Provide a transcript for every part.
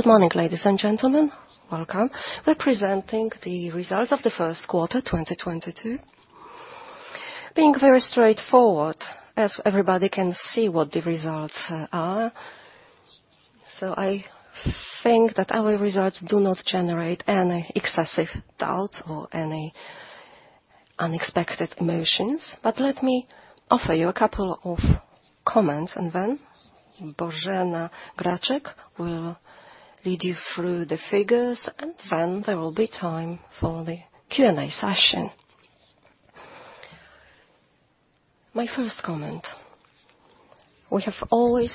Good morning, ladies and gentlemen. Welcome. We're presenting the results of the Q1 2022. Being very straightforward, as everybody can see what the results are. I think that our results do not generate any excessive doubts or any unexpected emotions. Let me offer you a couple of comments, and then Bożena Graczyk will lead you through the figures, and then there will be time for the Q&A session. My first comment: we have always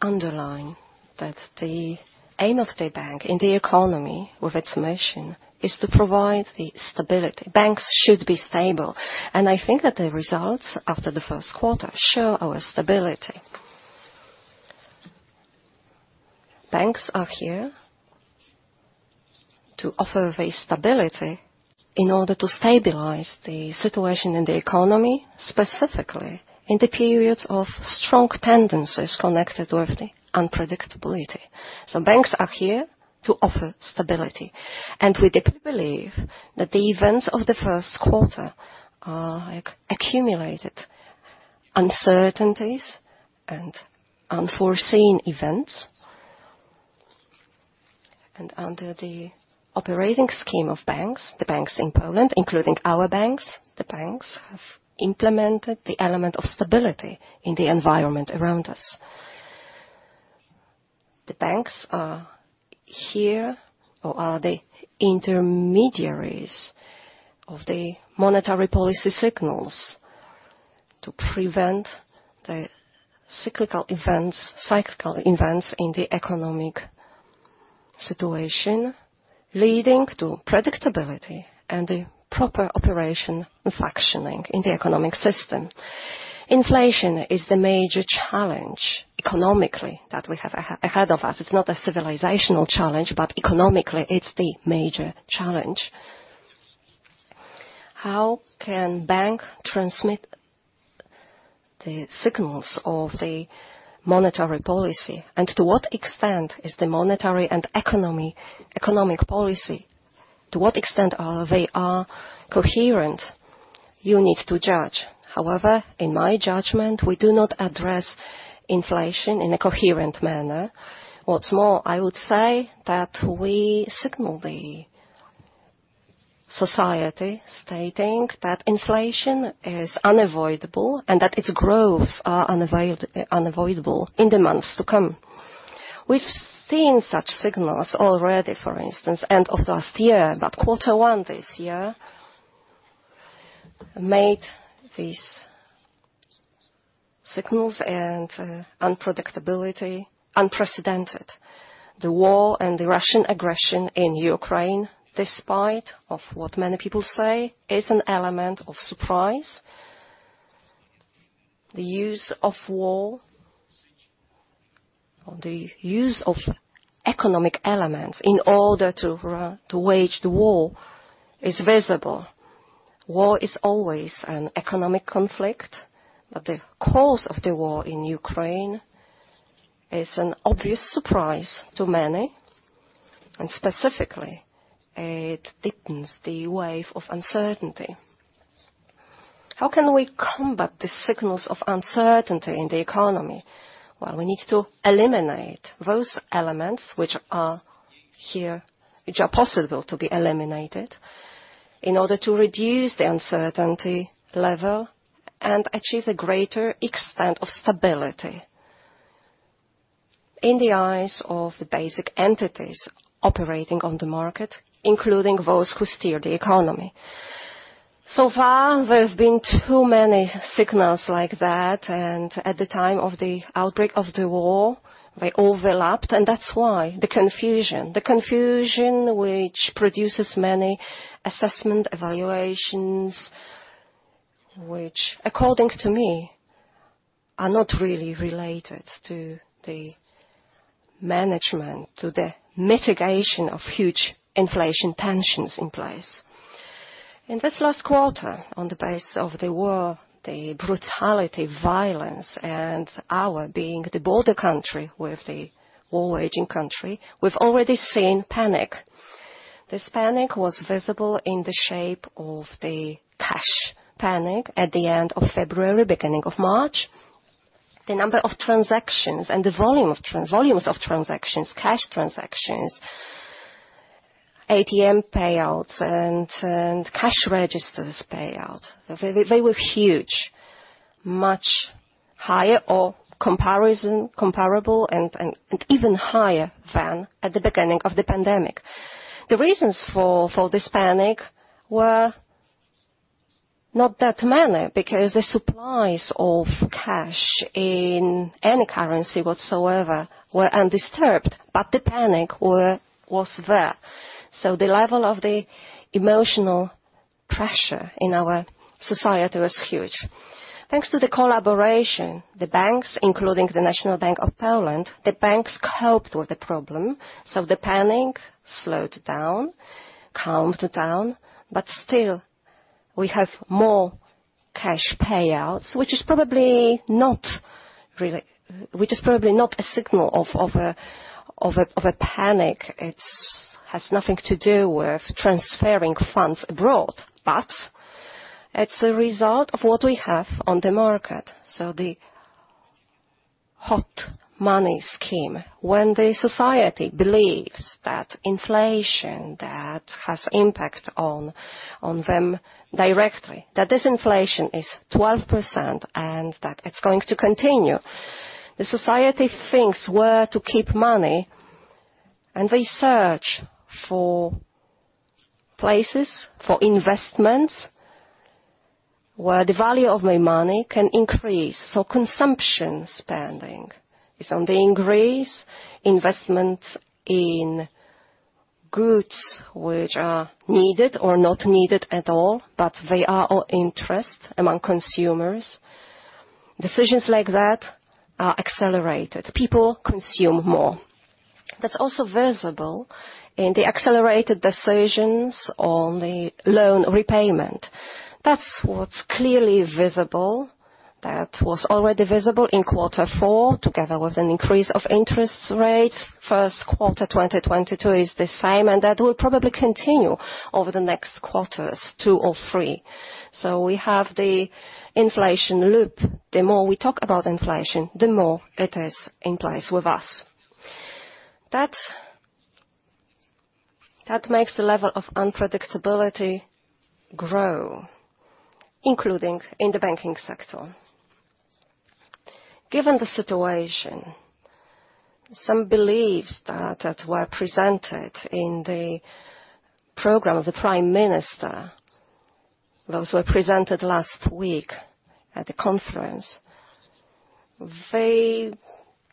underlined that the aim of the bank in the economy with its mission, is to provide the stability. Banks should be stable. I think that the results after the Q1 show our stability. Banks are here to offer the stability in order to stabilize the situation in the economy, specifically in the periods of strong tendencies connected with the unpredictability. Banks are here to offer stability. We deeply believe that the events of the Q1 accumulated uncertainties and unforeseen events. Under the operating scheme of banks, the banks in Poland, including our banks, the banks have implemented the element of stability in the environment around us. The banks are here or are the intermediaries of the monetary policy signals to prevent the cyclical events in the economic situation leading to predictability and the proper operation functioning in the economic system. Inflation is the major challenge economically that we have ahead of us. It's not a civilizational challenge, but economically, it's the major challenge. How can bank transmit the signals of the monetary policy? To what extent is the monetary and economy, economic policy, to what extent are they coherent? You need to judge. However, in my judgment, we do not address inflation in a coherent manner. What's more, I would say that we signal the society stating that inflation is unavoidable and that its growth are unavoidable in the months to come. We've seen such signals already, for instance, end of last year, but quarter one this year made these signals and unpredictability unprecedented. The war and the Russian aggression in Ukraine, despite of what many people say, is an element of surprise. The use of war, or the use of economic elements in order to to wage the war is visible. War is always an economic conflict, but the cause of the war in Ukraine is an obvious surprise to many, and specifically, it deepens the wave of uncertainty. How can we combat the signals of uncertainty in the economy? Well, we need to eliminate those elements which are here, which are possible to be eliminated, in order to reduce the uncertainty level and achieve the greater extent of stability in the eyes of the basic entities operating on the market, including those who steer the economy. So far, there have been too many signals like that, and at the time of the outbreak of the war, they overlapped, and that's why the confusion. The confusion which produces many assessment evaluations, which, according to me, are not really related to the management, to the mitigation of huge inflation tensions in place. In this last quarter, on the basis of the war, the brutality, violence, and our being the border country with the warring country, we've already seen panic. This panic was visible in the shape of the cash panic at the end of February, beginning of March. The number of transactions and the volume of volumes of transactions, cash transactions, ATM payouts and cash registers payout, they were huge. Much higher, comparable and even higher than at the beginning of the pandemic. The reasons for this panic were not that many, because the supplies of cash in any currency whatsoever were undisturbed, but the panic was there. The level of the emotional pressure in our society was huge. Thanks to the collaboration, the banks, including the National Bank of Poland, the banks coped with the problem, so the panic slowed down, calmed down, but still, we have more cash payouts, which is probably not a signal of a panic. It has nothing to do with transferring funds abroad, but it's the result of what we have on the market. The hot money scheme, when the society believes that inflation that has impact on them directly, that this inflation is 12% and that it's going to continue. The society thinks where to keep money, and they search for places for investments where the value of my money can increase. Consumption spending is on the increase. Investments in goods which are needed or not needed at all, but they are of interest among consumers. Decisions like that are accelerated. People consume more. That's also visible in the accelerated decisions on the loan repayment. That's what's clearly visible. That was already visible in Q4, together with an increase of interest rates. Q1 2022 is the same, and that will probably continue over the next quarters, two or three. We have the inflation loop. The more we talk about inflation, the more it is in place with us. That makes the level of unpredictability grow, including in the banking sector. Given the situation, some beliefs that were presented in the program of the Prime Minister, those were presented last week at the conference. They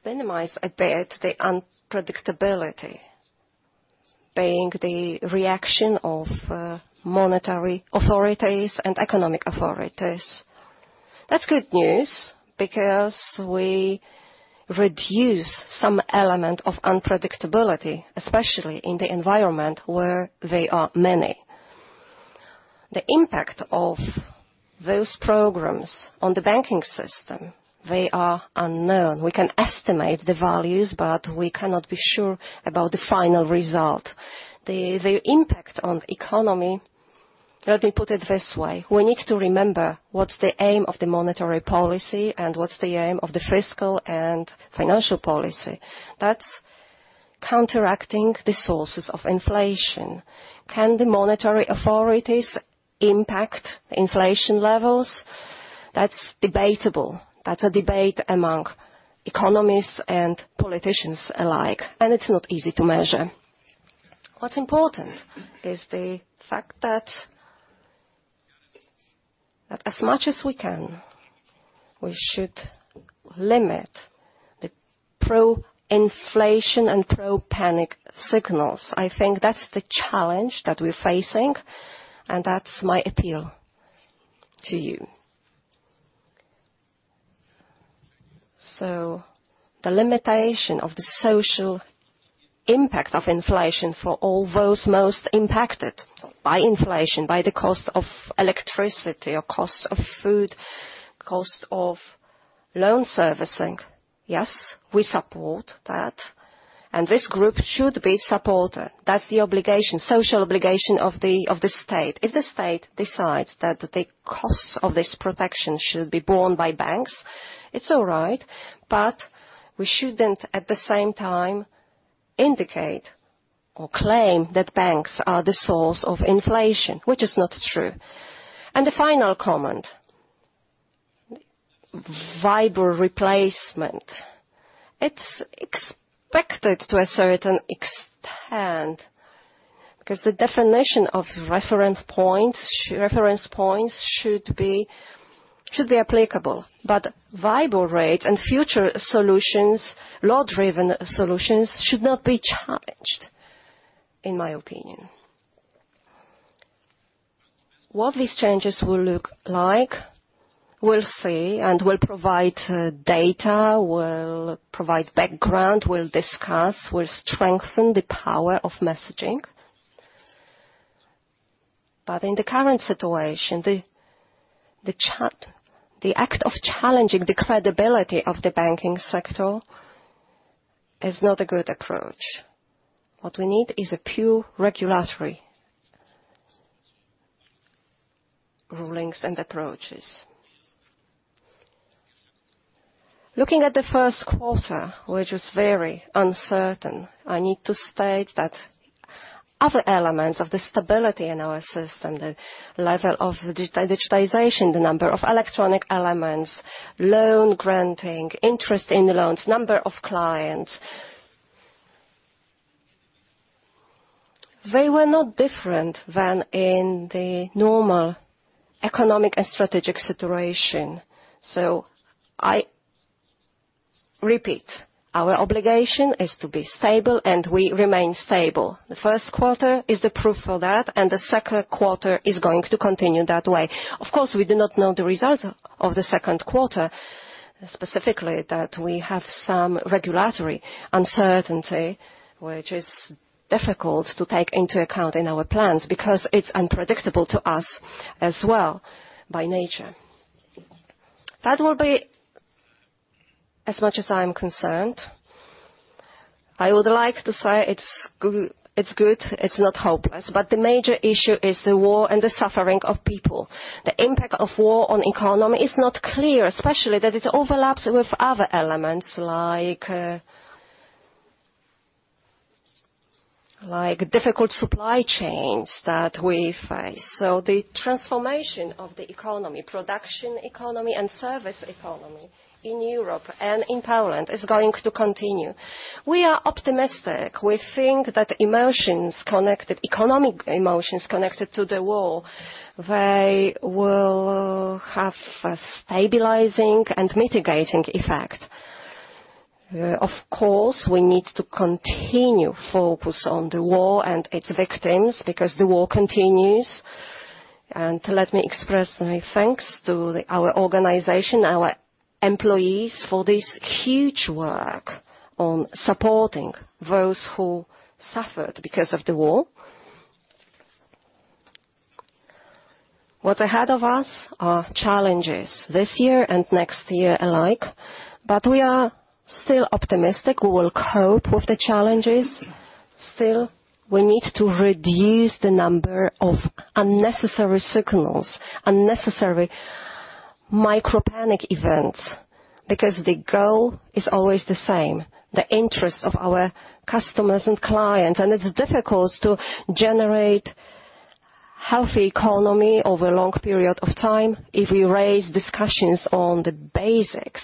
minimize a bit the unpredictability, being the reaction of monetary authorities and economic authorities. That's good news because we reduce some element of unpredictability, especially in the environment where there are many. The impact of those programs on the banking system, they are unknown. We can estimate the values, but we cannot be sure about the final result. The impact on economy. Let me put it this way. We need to remember what's the aim of the monetary policy and what's the aim of the fiscal and financial policy. That's counteracting the sources of inflation. Can the monetary authorities impact inflation levels? That's debatable. That's a debate among economists and politicians alike, and it's not easy to measure. What's important is the fact that as much as we can, we should limit the pro-inflation and pro-panic signals. I think that's the challenge that we're facing, and that's my appeal to you. The limitation of the social impact of inflation for all those most impacted by inflation, by the cost of electricity or cost of food, cost of loan servicing, yes, we support that. This group should be supported. That's the obligation, social obligation of the state. If the state decides that the costs of this protection should be borne by banks, it's all right, but we shouldn't at the same time indicate or claim that banks are the source of inflation, which is not true. The final comment, WIBOR replacement. It's expected to a certain extent, because the definition of reference points should be applicable, but WIBOR rate and future solutions, law-driven solutions should not be challenged, in my opinion. What these changes will look like, we'll see and we'll provide data, we'll provide background, we'll discuss, we'll strengthen the power of messaging. In the current situation, the act of challenging the credibility of the banking sector is not a good approach. What we need is a pure regulatory rulings and approaches. Looking at the Q1, which is very uncertain, I need to state that other elements of the stability in our system, the level of digitization, the number of electronic elements, loan granting, interest in loans, number of clients. They were not different than in the normal economic and strategic situation. I repeat, our obligation is to be stable, and we remain stable. The Q1 is the proof of that, and the Q2 is going to continue that way. Of course, we do not know the results of the Q2. Specifically, that we have some regulatory uncertainty, which is difficult to take into account in our plans because it's unpredictable to us as well by nature. That will be as much as I'm concerned. I would like to say it's good, it's not hopeless, but the major issue is the war and the suffering of people. The impact of war on economy is not clear, especially that it overlaps with other elements like difficult supply chains that we face. The transformation of the economy, production economy and service economy in Europe and in Poland is going to continue. We are optimistic. We think that economic emotions connected to the war, they will have a stabilizing and mitigating effect. Of course, we need to continue focus on the war and its victims because the war continues. Let me express my thanks to our organization, our employees for this huge work on supporting those who suffered because of the war. What's ahead of us are challenges this year and next year alike, but we are still optimistic we will cope with the challenges. Still, we need to reduce the number of unnecessary signals, unnecessary micro panic events, because the goal is always the same, the interest of our customers and clients. It's difficult to generate healthy economy over a long period of time if we raise discussions on the basics,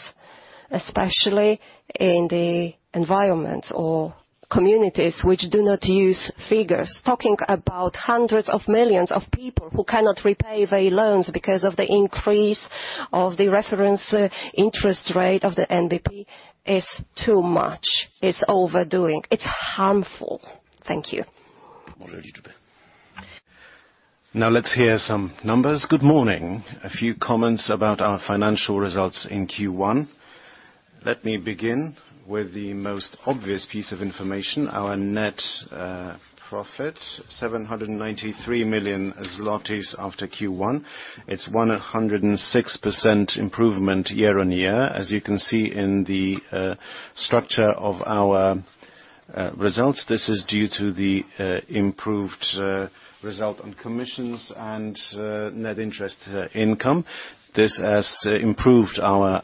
especially in the environments or communities which do not use figures. Talking about hundreds of millions of people who cannot repay their loans because of the increase of the reference interest rate of the NBP is too much. It's overdoing. It's harmful. Thank you. Now let's hear some numbers. Good morning. A few comments about our financial results in Q1. Let me begin with the most obvious piece of information. Our net profit, 793 million zlotys for Q1. It's 106% improvement year-on-year. As you can see in the structure of our results, this is due to the improved result on commissions and net interest income. This has improved our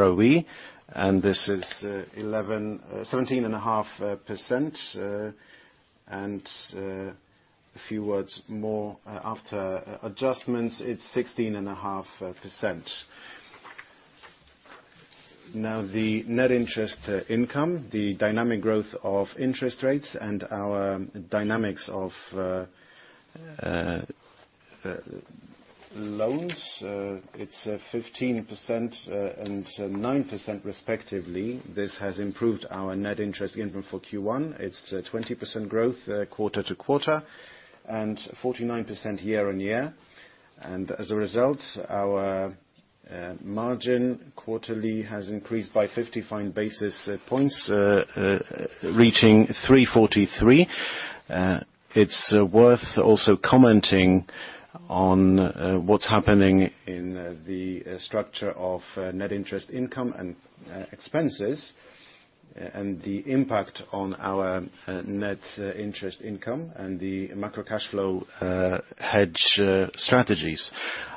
ROE, and this is 17.5%, and a few words more after adjustments, it's 16.5%. Now, the net interest income, the dynamic growth of interest rates and our dynamics of loans, it's 15% and 9% respectively. This has improved our net interest income for Q1. It's 20% growth quarter-over-quarter and 49% year-on-year. As a result, our margin quarterly has increased by 55 basis points, reaching 343. It's worth also commenting on what's happening in the structure of net interest income and expenses, and the impact on our net interest income and the macro cash flow hedge strategies.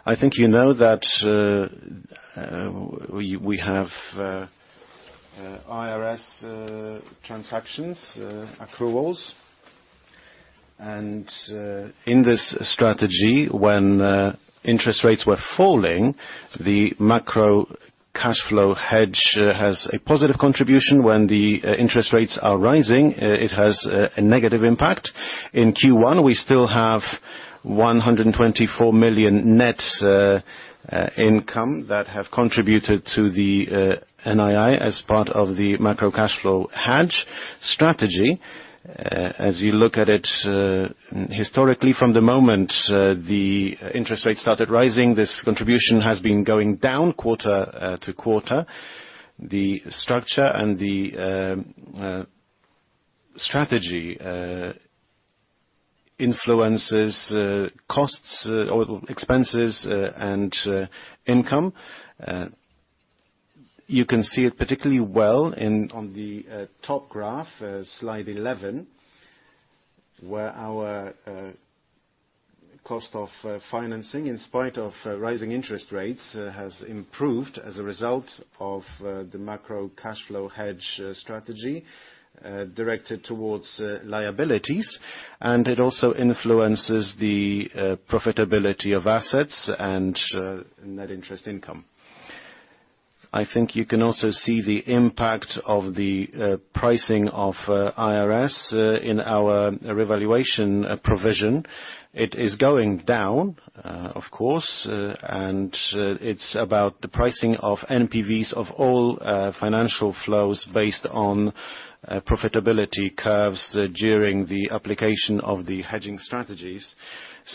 I think you know that we have IRS transactions accruals. In this strategy, when interest rates were falling, the macro cash flow hedge has a positive contribution. When the interest rates are rising, it has a negative impact. In Q1, we still have 124 million net income that have contributed to the NII as part of the macro cash flow hedge strategy. As you look at it, historically, from the moment the interest rates started rising, this contribution has been going down quarter-to-quarter. The structure and the strategy influences costs or expenses and income. You can see it particularly well on the top graph, slide 11, where our cost of financing, in spite of rising interest rates, has improved as a result of the macro cash flow hedge strategy directed towards liabilities. It also influences the profitability of assets and net interest income. I think you can also see the impact of the pricing of IRS in our revaluation provision. It is going down, of course, and it's about the pricing of NPVs of all financial flows based on yield curves during the application of the hedging strategies.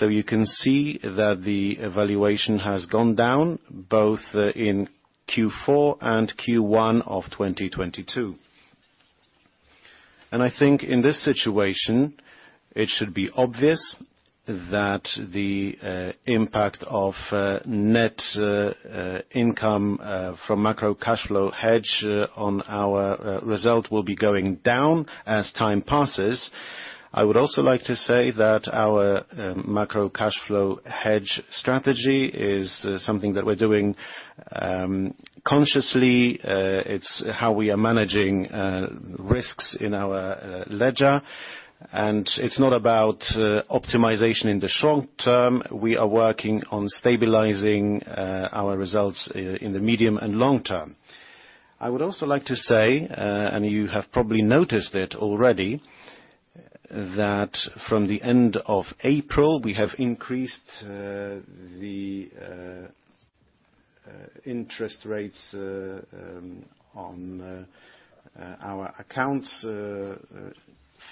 You can see that the valuation has gone down both in Q4 and Q1 of 2022. I think in this situation, it should be obvious that the impact of net income from macro cash flow hedge on our result will be going down as time passes. I would also like to say that our macro cash flow hedge strategy is something that we're doing consciously. It's how we are managing risks in our ledger. It's not about optimization in the short term. We are working on stabilizing our results in the medium and long term. I would also like to say, and you have probably noticed it already, that from the end of April, we have increased the interest rates on our accounts,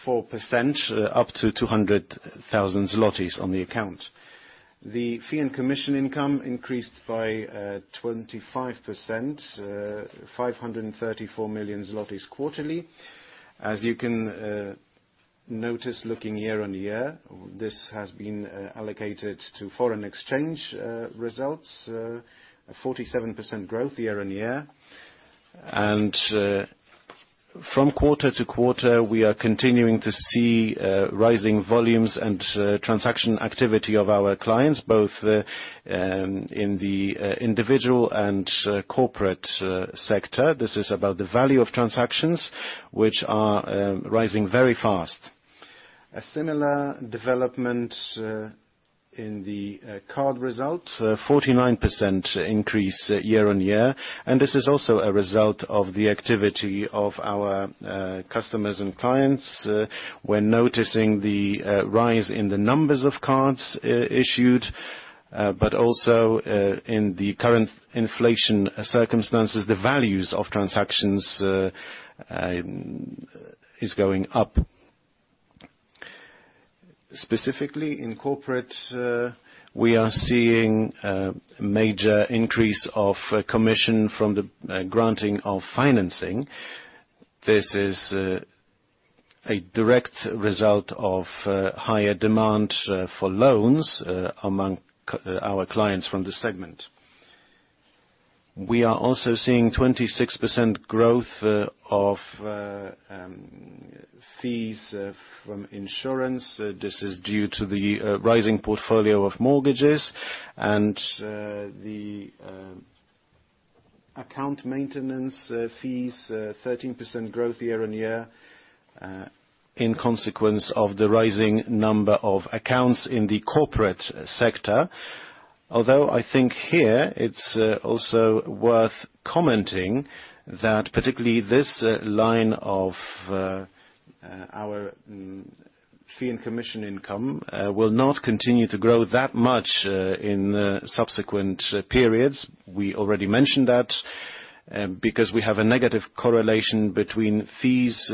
4% up to 200,000 zlotys on the account. The fee and commission income increased by 25%, 534 million zlotys quarterly. As you can notice, looking year-on-year, this has been allocated to foreign exchange results, a 47% growth year-on-year. From quarter-to-quarter, we are continuing to see rising volumes and transaction activity of our clients, both in the individual and corporate sector. This is about the value of transactions which are rising very fast. A similar development in the card result, a 49% increase year-on-year. This is also a result of the activity of our customers and clients. We're noticing the rise in the numbers of cards issued, but also in the current inflation circumstances, the values of transactions is going up. Specifically, in corporate, we are seeing a major increase of commission from the granting of financing. This is a direct result of higher demand for loans among our clients from this segment. We are also seeing 26% growth of fees from insurance. This is due to the rising portfolio of mortgages, and the account maintenance fees, a 13% growth year-on-year, in consequence of the rising number of accounts in the corporate sector. Although I think here it's also worth commenting that particularly this line of our fee and commission income will not continue to grow that much in subsequent periods. We already mentioned that because we have a negative correlation between fees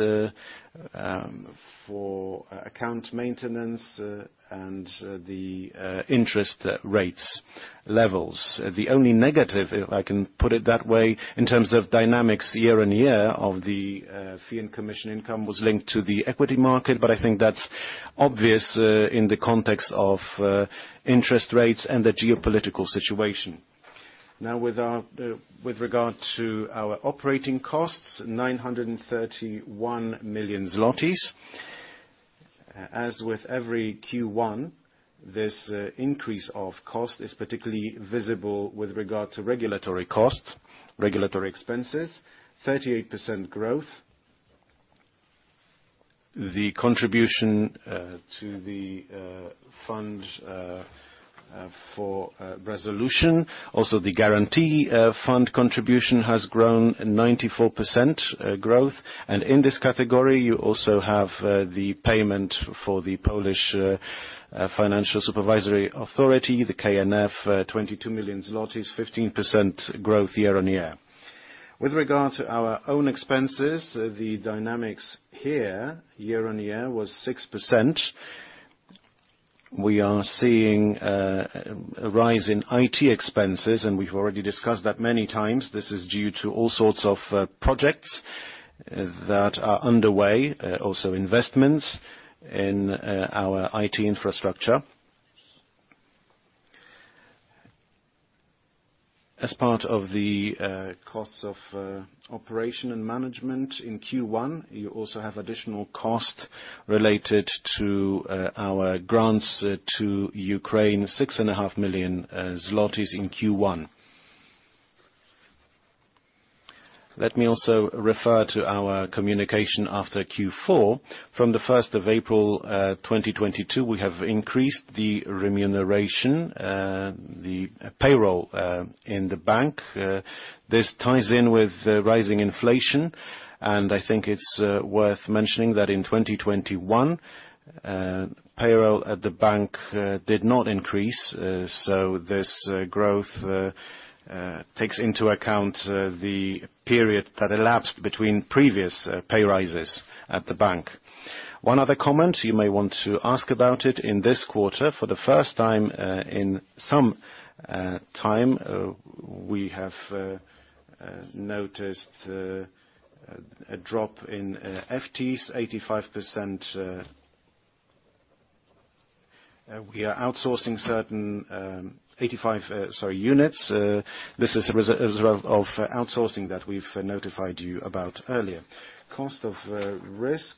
for account maintenance and the interest rates levels. The only negative, if I can put it that way, in terms of dynamics year-on-year of the fee and commission income was linked to the equity market, but I think that's obvious in the context of interest rates and the geopolitical situation. Now, with regard to our operating costs, 931 million zlotys. As with every Q1, this increase of cost is particularly visible with regard to regulatory costs, regulatory expenses, 38% growth. The contribution to the fund for resolution, also the guarantee fund contribution has grown 94% growth. In this category, you also have the payment for the Polish Financial Supervision Authority, the KNF, 22 million zlotys, 15% growth year-over-year. With regard to our own expenses, the dynamics here year-over-year was 6%. We are seeing a rise in IT expenses, and we've already discussed that many times. This is due to all sorts of projects that are underway, also investments in our IT infrastructure. As part of the costs of operation and management in Q1, you also have additional cost related to our grants to Ukraine, 6.5 million zlotys in Q1. Let me also refer to our communication after Q4. From the first of April 2022, we have increased the remuneration, the payroll, in the bank. This ties in with the rising inflation, and I think it's worth mentioning that in 2021, payroll at the bank did not increase. This growth takes into account the period that elapsed between previous pay rises at the bank. One other comment, you may want to ask about it in this quarter for the first time in some time, we have noticed a drop in FTEs 85%, we are outsourcing certain 85, sorry, units, this is a result of outsourcing that we've notified you about earlier. Cost of risk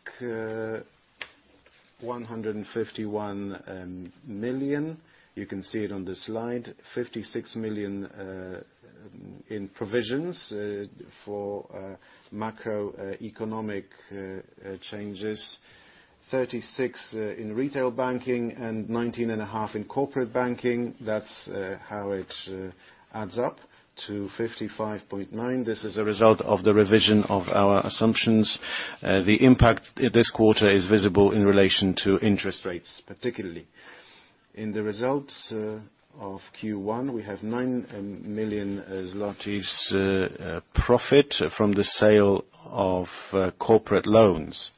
151 million. You can see it on the slide, 56 million in provisions for macroeconomic changes, 36 million in retail banking and 19.5 million in corporate banking. That's how it adds up to 55.9 million. This is a result of the revision of our assumptions. The impact this quarter is visible in relation to interest rates, particularly. In the results of Q1 we have 9 million zlotys profit from the sale of corporate loans.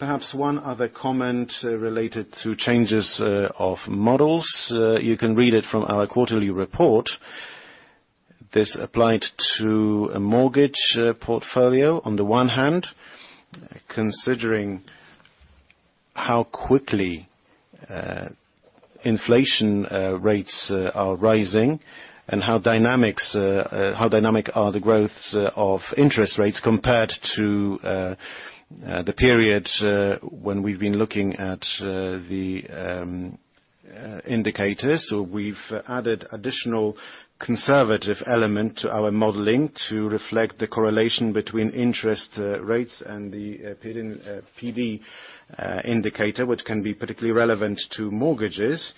Perhaps one other comment related to changes of models. You can read it from our quarterly report. This applied to a mortgage portfolio on the one hand, considering how quickly inflation rates are rising and how dynamic are the growths of interest rates compared to the period when we've been looking at the indicators. We've added an additional conservative element to our modeling to reflect the correlation between interest rates and the PD indicator, which can be particularly relevant to mortgages.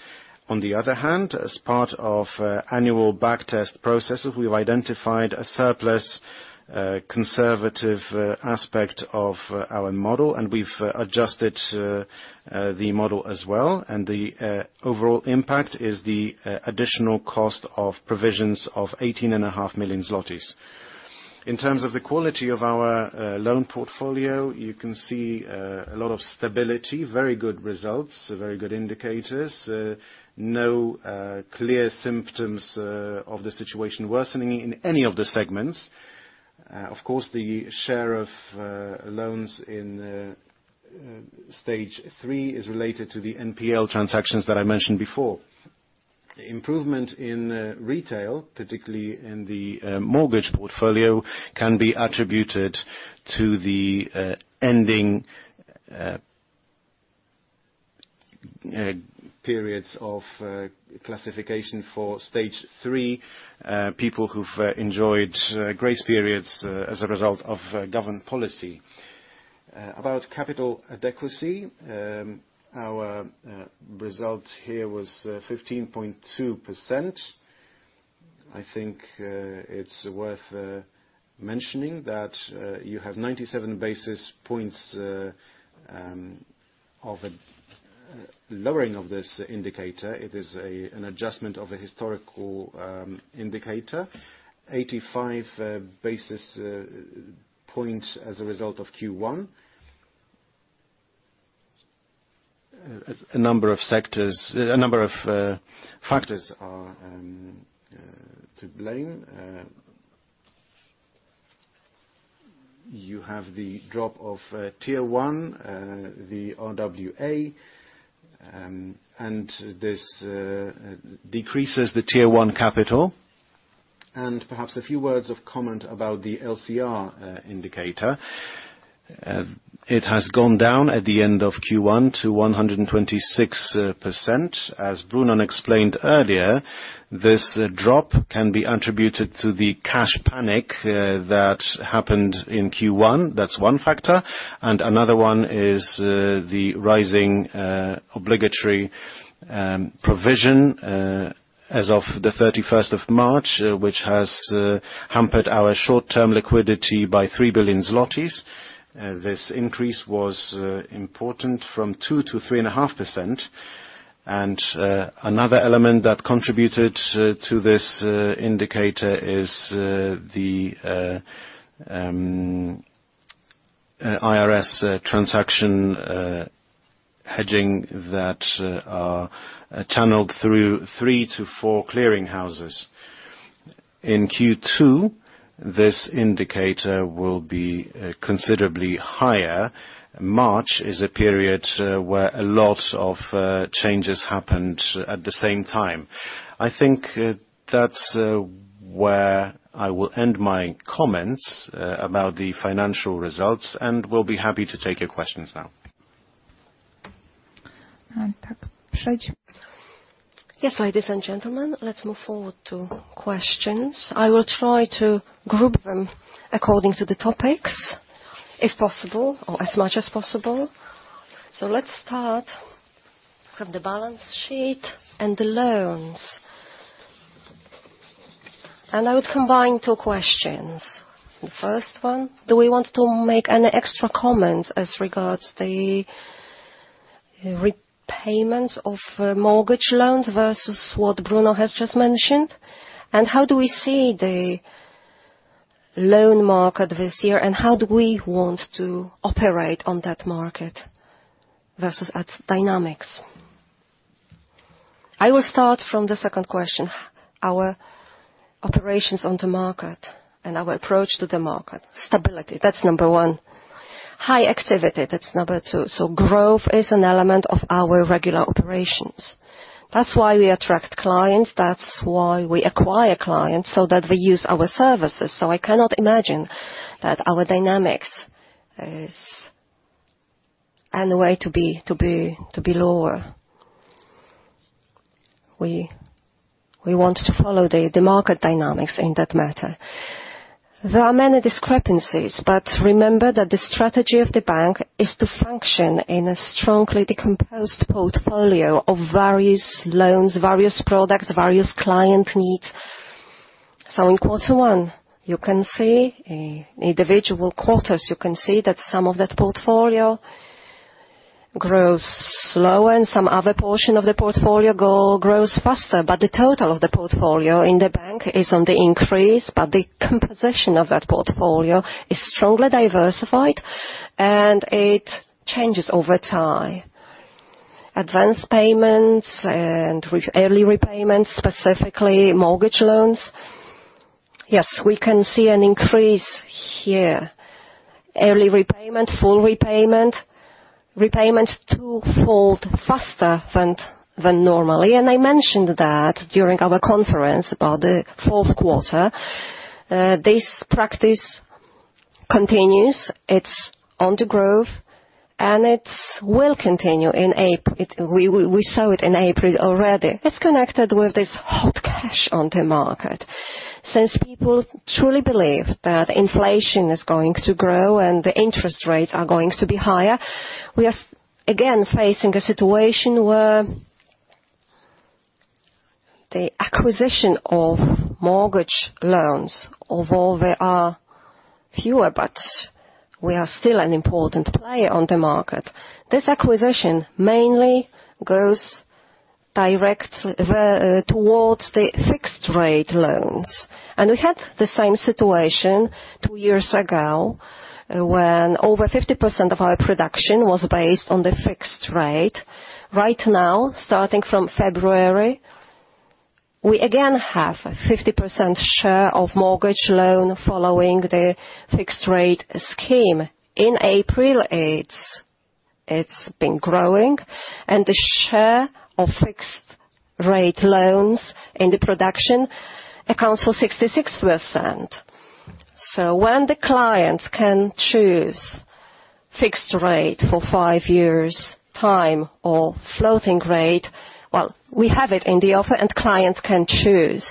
On the other hand, as part of annual backtest processes, we've identified a surplus, conservative aspect of our model, and we've adjusted the model as well. The overall impact is the additional cost of provisions of 18.5 million zlotys. In terms of the quality of our loan portfolio, you can see a lot of stability, very good results, very good indicators, no clear symptoms of the situation worsening in any of the segments. Of course, the share of loans in Stage 3 is related to the NPL transactions that I mentioned before. The improvement in retail, particularly in the mortgage portfolio, can be attributed to the ending periods of classification for Stage 3, people who've enjoyed grace periods as a result of government policy. About capital adequacy, our result here was 15.2%. I think it's worth mentioning that you have 97 basis points of a lowering of this indicator. It is an adjustment of a historical indicator, 85 basis points, as a result of Q1. A number of factors are to blame. You have the drop of Tier 1, the RWA, and this decreases the Tier 1 capital. Perhaps a few words of comment about the LCR indicator. It has gone down at the end of Q1 to 126%. As Brunon explained earlier, this drop can be attributed to the cash panic that happened in Q1. That's one factor, and another one is, the rising, obligatory, provision, as of the 31st of March, which has, hampered our short-term liquidity by 3 billion zlotys. This increase was, important from 2%-3.5%. Another element that contributed, to this, indicator is, the, IRS, transaction, hedging that are channeled through three to four clearing houses. In Q2 this indicator will be considerably higher. March is a period, where a lot of, changes happened at the same time. I think that's, where I will end my comments, about the financial results, and we'll be happy to take your questions now. Yes, ladies and gentlemen, let's move forward to questions. I will try to group them according to the topics if possible or as much as possible. Let's start from the balance sheet and the loans. I would combine two questions. The first one, do we want to make any extra comments as regards the repayments of mortgage loans versus what Brunon has just mentioned? How do we see the loan market this year, and how do we want to operate on that market versus its dynamics? I will start from the second question. Our operations on the market and our approach to the market. Stability, that's number one. High activity, that's number two. Growth is an element of our regular operations. That's why we attract clients, that's why we acquire clients, so that they use our services. I cannot imagine that our dynamics is. Anywhere to be lower. We want to follow the market dynamics in that matter. There are many discrepancies but remember that the strategy of the bank is to function in a strongly decomposed portfolio of various loans, various products, and various client needs. In Q1, you can see that some of that portfolio grows slower and some other portion of the portfolio grows faster. The total of the portfolio in the bank is on the increase, but the composition of that portfolio is strongly diversified, and it changes over time. Advance payments and with early repayments, specifically mortgage loans. Yes, we can see an increase here. Early repayment, full repayment. Repayment two-fold faster than normally. I mentioned that during our conference about the Q4. This practice continues. It's on the growth and it will continue in April. We saw it in April already. It's connected with this hot cash on the market. Since people truly believe that inflation is going to grow and the interest rates are going to be higher, we are again facing a situation where the acquisition of mortgage loans, although they are fewer, but we are still an important player on the market. This acquisition mainly goes directly towards the fixed-rate loans. We had the same situation two years ago when over 50% of our production was based on the fixed rate. Right now, starting from February, we again have a 50% share of mortgage loan following the fixed-rate scheme. In April, it's been growing, and the share of fixed-rate loans in the production accounts for 66%. When the clients can choose fixed rate for five years' term or floating rate, well, we have it in the offer and clients can choose.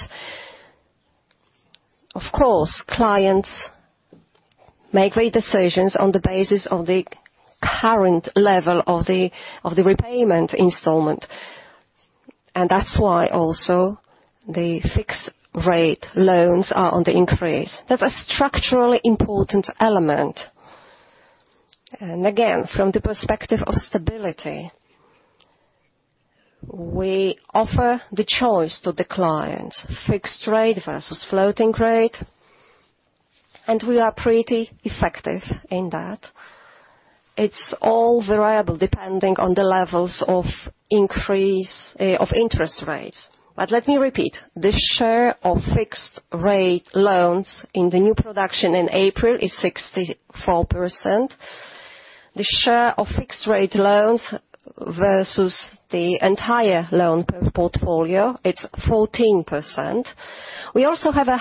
Of course, clients make their decisions on the basis of the current level of the repayment installment. That's why also the fixed-rate loans are on the increase. That's a structurally important element. Again, from the perspective of stability, we offer the choice to the clients, fixed rate versus floating rate, and we are pretty effective in that. It's all variable depending on the levels of increase of interest rates. Let me repeat, the share of fixed-rate loans in the new production in April is 64%. The share of fixed-rate loans versus the entire loan portfolio, it's 14%. We also have a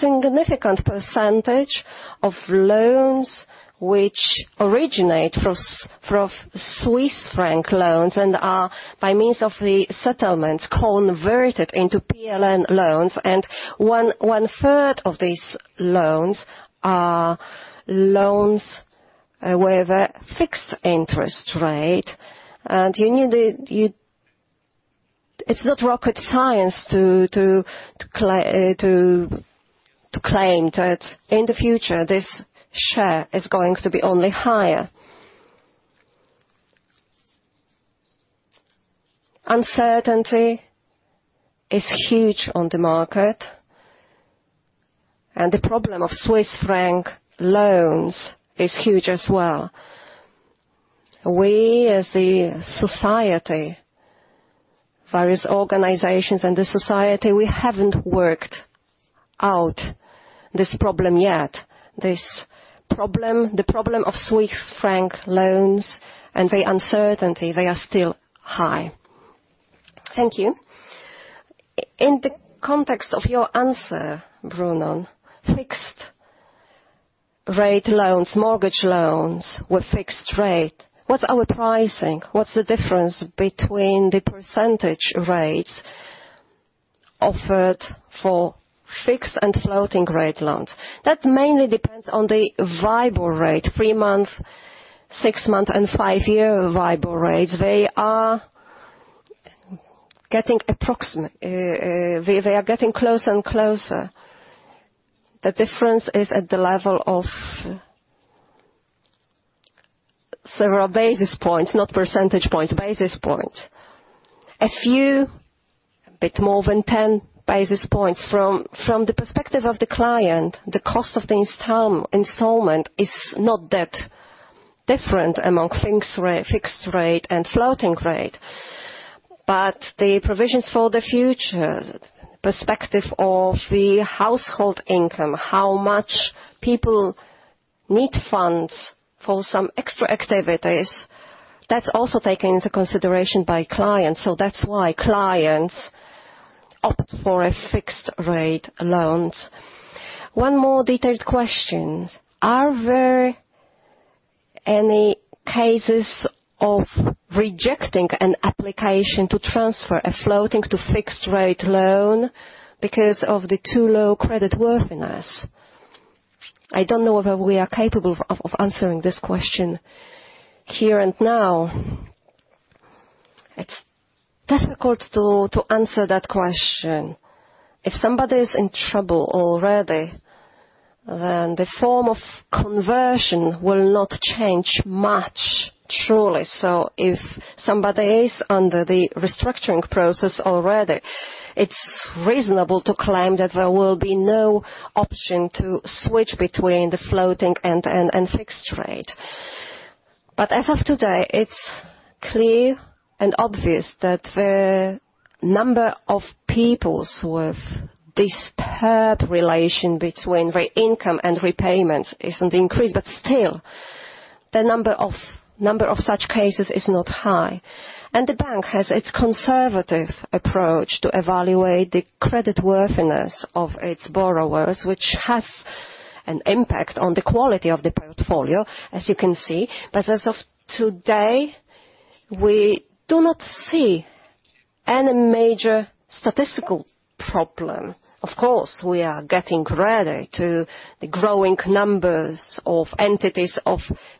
significant percentage of loans which originate from Swiss franc loans and are, by means of the settlements, converted into PLN loans. One-third of these loans are loans with a fixed interest rate. It's not rocket science to claim that in the future, this share is going to be only higher. Uncertainty is huge on the market, and the problem of Swiss franc loans is huge as well. We, as the society, various organizations and the society, we haven't worked out this problem yet. This problem, the problem of Swiss franc loans and the uncertainty, they are still high. Thank you. In the context of your answer, Brunon, fixed-rate loans, mortgage loans with fixed-rate, what's our pricing? What's the difference between the percentage rates offered for fixed and floating-rate loans? That mainly depends on the WIBOR rate, three-month, six-month, and five-year WIBOR rates. They are getting closer and closer. The difference is at the level of several basis points, not percentage points, basis points. A few, a bit more than 10 basis points. From the perspective of the client, the cost of the installment is not that different among fixed rate and floating rate. The provisions for the future perspective of the household income, how much people need funds for some extra activities, that's also taken into consideration by clients. That's why clients opt for a fixed-rate loan. One more detailed question. Are there any cases of rejecting an application to transfer a floating to fixed-rate loan because of the too low creditworthiness? I don't know whether we are capable of answering this question here and now. It's difficult to answer that question. If somebody is in trouble already, then the form of conversion will not change much, truly. If somebody is under the restructuring process already, it's reasonable to claim that there will be no option to switch between the floating and fixed rate. As of today, it's clear and obvious that the number of people with disturbed relation between their income and repayments is on the increase, but still the number of such cases is not high. The bank has its conservative approach to evaluate the creditworthiness of its borrowers, which has an impact on the quality of the portfolio, as you can see. As of today, we do not see any major statistical problem. Of course, we are getting ready to the growing numbers of entities or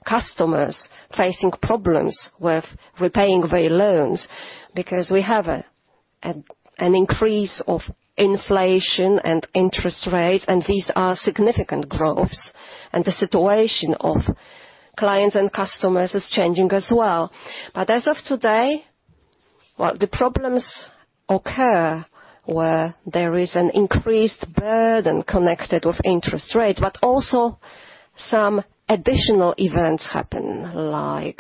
customers facing problems with repaying their loans, because we have an increase of inflation and interest rate, and these are significant growths, and the situation of clients and customers is changing as well. As of today, well, the problems occur where there is an increased burden connected with interest rates, but also some additional events happen like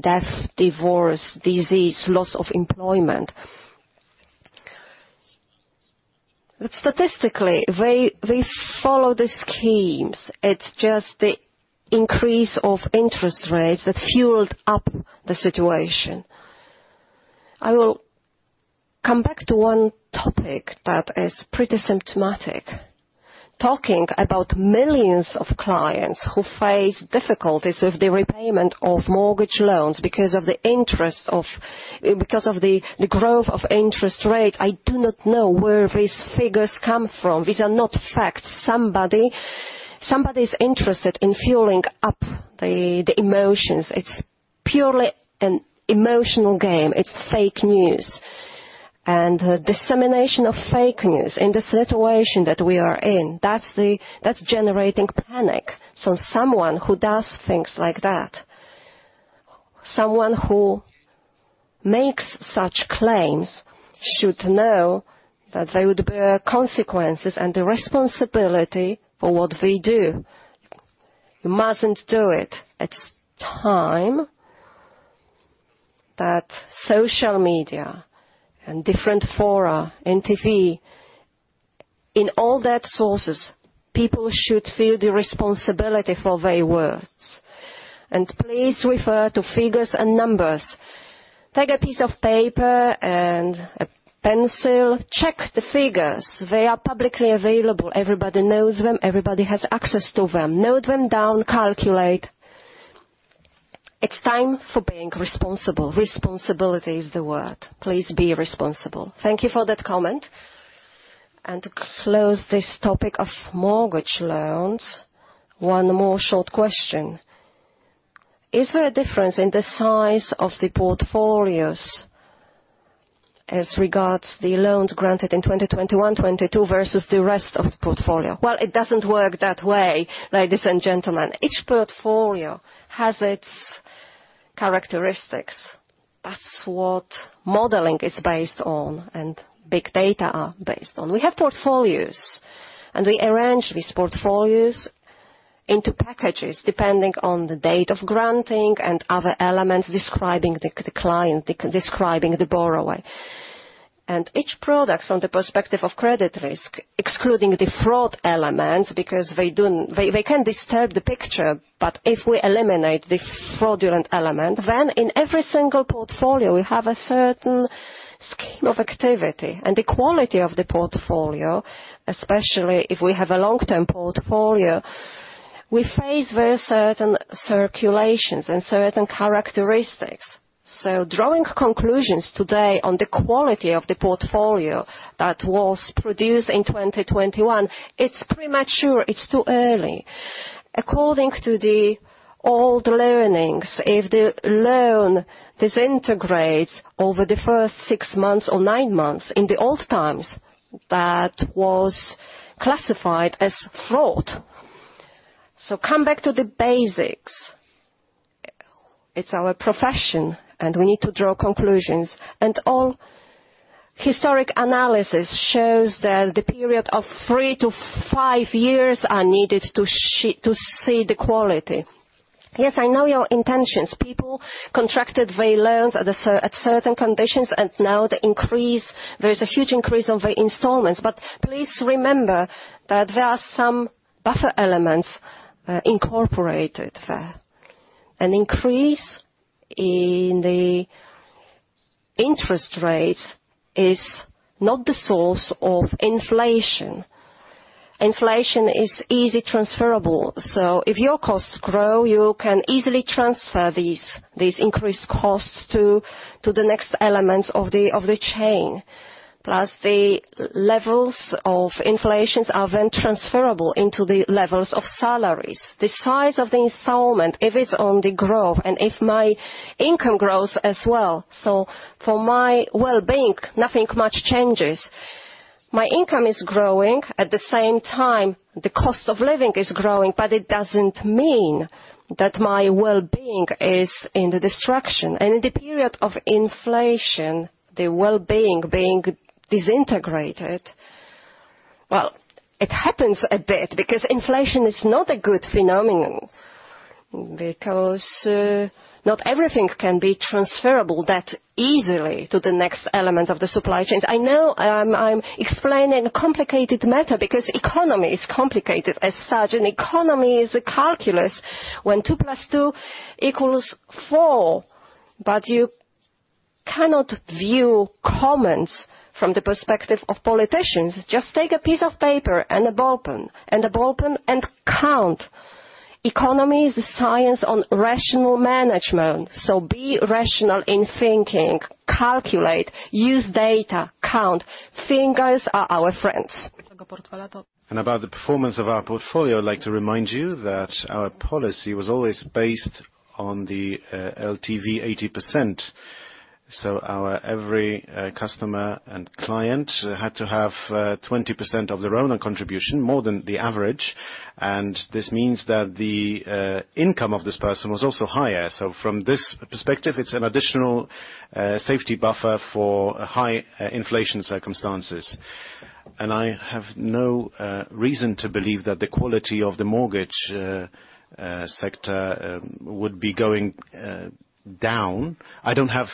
death, divorce, disease, loss of employment. Statistically, they follow the schemes. It's just the increase of interest rates that fueled up the situation. I will come back to one topic that is pretty symptomatic. Talking about millions of clients who face difficulties with the repayment of mortgage loans because of the growth of interest rate, I do not know where these figures come from. These are not facts. Somebody's interested in fueling up the emotions. It's purely an emotional game. It's fake news. The dissemination of fake news in the situation that we are in, that's generating panic. Someone who does things like that, someone who makes such claims, should know that they would bear consequences and the responsibility for what they do. You mustn't do it. It's time that social media and different fora, in TV, in all those sources, people should feel the responsibility for their words. Please refer to figures and numbers. Take a piece of paper and a pencil, check the figures. They are publicly available. Everybody knows them. Everybody has access to them. Note them down, calculate. It's time for being responsible. Responsibility is the word. Please be responsible. Thank you for that comment. To close this topic of mortgage loans, one more short question. Is there a difference in the size of the portfolios as regards the loans granted in 2021, 2022 versus the rest of the portfolio? Well, it doesn't work that way, ladies and gentlemen. Each portfolio has its characteristics. That's what modeling is based on, and big data are based on. We have portfolios, and we arrange these portfolios into packages, depending on the date of granting and other elements describing the client, describing the borrower. Each product, from the perspective of credit risk, excluding the fraud elements, because they can disturb the picture. But if we eliminate the fraudulent element, then in every single portfolio, we have a certain scheme of activity. The quality of the portfolio, especially if we have a long-term portfolio, we face very certain circulations and certain characteristics. Drawing conclusions today on the quality of the portfolio that was produced in 2021, it's premature, it's too early. According to the old learnings, if the loan disintegrates over the first six months or nine months in the old times. That was classified as fraud. Come back to the basics. It's our profession, and we need to draw conclusions. All historic analysis shows that the period of three to five years are needed to see the quality. Yes, I know your intentions. People contracted their loans at certain conditions, and now the increase. There is a huge increase of their installments. Please remember that there are some buffer elements, incorporated there. An increase in the interest rates is not the source of inflation. Inflation is easy transferable. If your costs grow, you can easily transfer these increased costs to the next elements of the chain. Plus, the levels of inflation are then transferable into the levels of salaries. The size of the installment, if it's on the growth and if my income grows as well, for my well-being, nothing much changes. My income is growing. At the same time, the cost of living is growing, but it doesn't mean that my well-being is in the destruction. In the period of inflation, the well-being being disintegrated. Well, it happens a bit because inflation is not a good phenomenon, because not everything can be transferable that easily to the next element of the supply chain. I know I'm explaining a complicated matter because economy is complicated as such, and economy is a calculus when two plus two equals four. You cannot view comments from the perspective of politicians. Just take a piece of paper and a ballpen and count. Economy is a science of rational management. Be rational in thinking. Calculate, use data, count. Figures are our friends. About the performance of our portfolio, I'd like to remind you that our policy was always based on the LTV 80%. Our every customer and client had to have 20% of their own contribution, more than the average. This means that the income of this person was also higher. From this perspective, it's an additional safety buffer for high inflation circumstances. I have no reason to believe that the quality of the mortgage sector would be going down. I don't have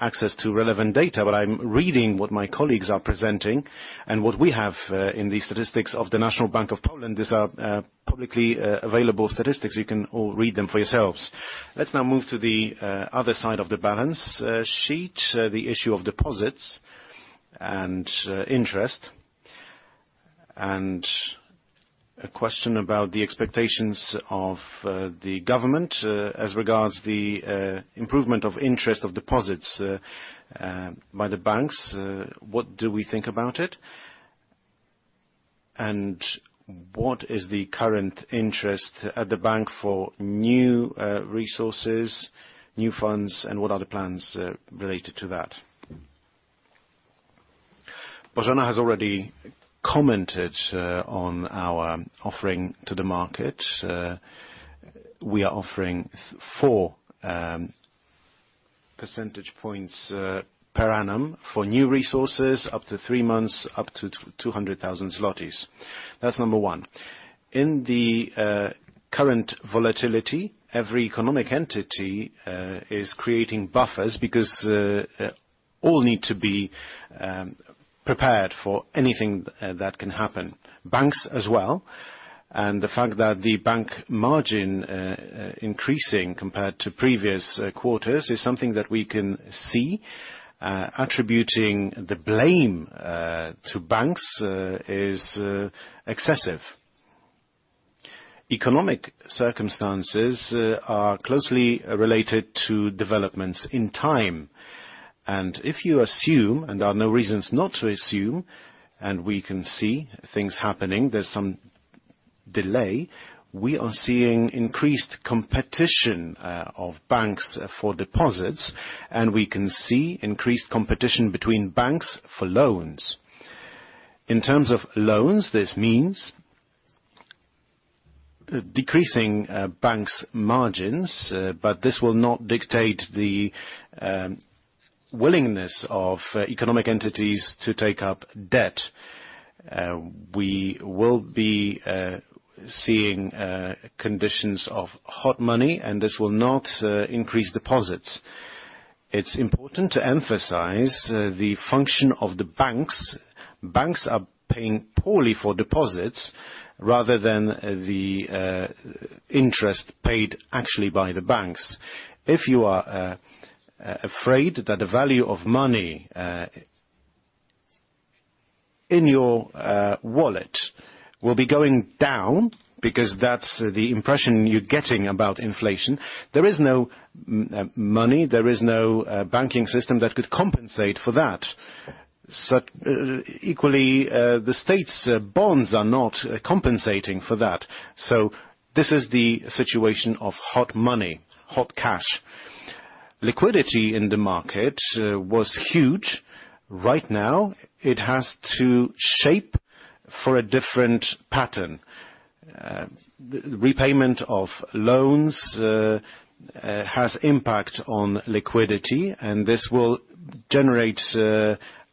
access to relevant data, but I'm reading what my colleagues are presenting and what we have in the statistics of the National Bank of Poland. These are publicly available statistics. You can all read them for yourselves. Let's now move to the other side of the balance sheet, the issue of deposits and interest, and a question about the expectations of the government as regards the improvement of interest on deposits by the banks. What do we think about it? What is the current interest at the bank for new resources, new funds, and what are the plans related to that? Bożena has already commented on our offering to the market. We are offering 4 percentage points per annum for new resources up to three months, up to 200,000 zlotys. That's number one. In the current volatility, every economic entity is creating buffers because all need to be prepared for anything that can happen, banks as well. The fact that the bank margin is increasing compared to previous quarters is something that we can see. Attributing the blame to banks is excessive. Economic circumstances are closely related to developments in time. If you assume, and there are no reasons not to assume, and we can see things happening, there's some delay. We are seeing increased competition of banks for deposits, and we can see increased competition between banks for loans. In terms of loans, this means decreasing banks' margins, but this will not dictate the willingness of economic entities to take up debt. We will be seeing conditions of hot money, and this will not increase deposits. It's important to emphasize the function of the banks. Banks are paying poorly for deposits rather than the interest paid actually by the banks. If you are afraid that the value of money in your wallet will be going down because that's the impression you're getting about inflation, there is no money, there is no banking system that could compensate for that. Equally, the state's bonds are not compensating for that. This is the situation of hot money, hot cash. Liquidity in the market was huge. Right now, it has to shape for a different pattern. Repayment of loans has impact on liquidity, and this will generate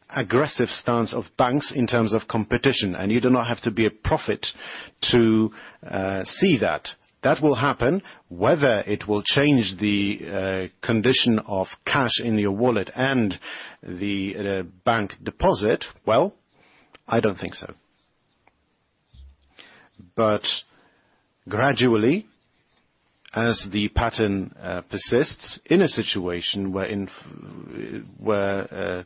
aggressive stance of banks in terms of competition, and you do not have to be a prophet to see that. That will happen. Whether it will change the condition of cash in your wallet and the bank deposit, well, I don't think so. Gradually, as the pattern persists in a situation where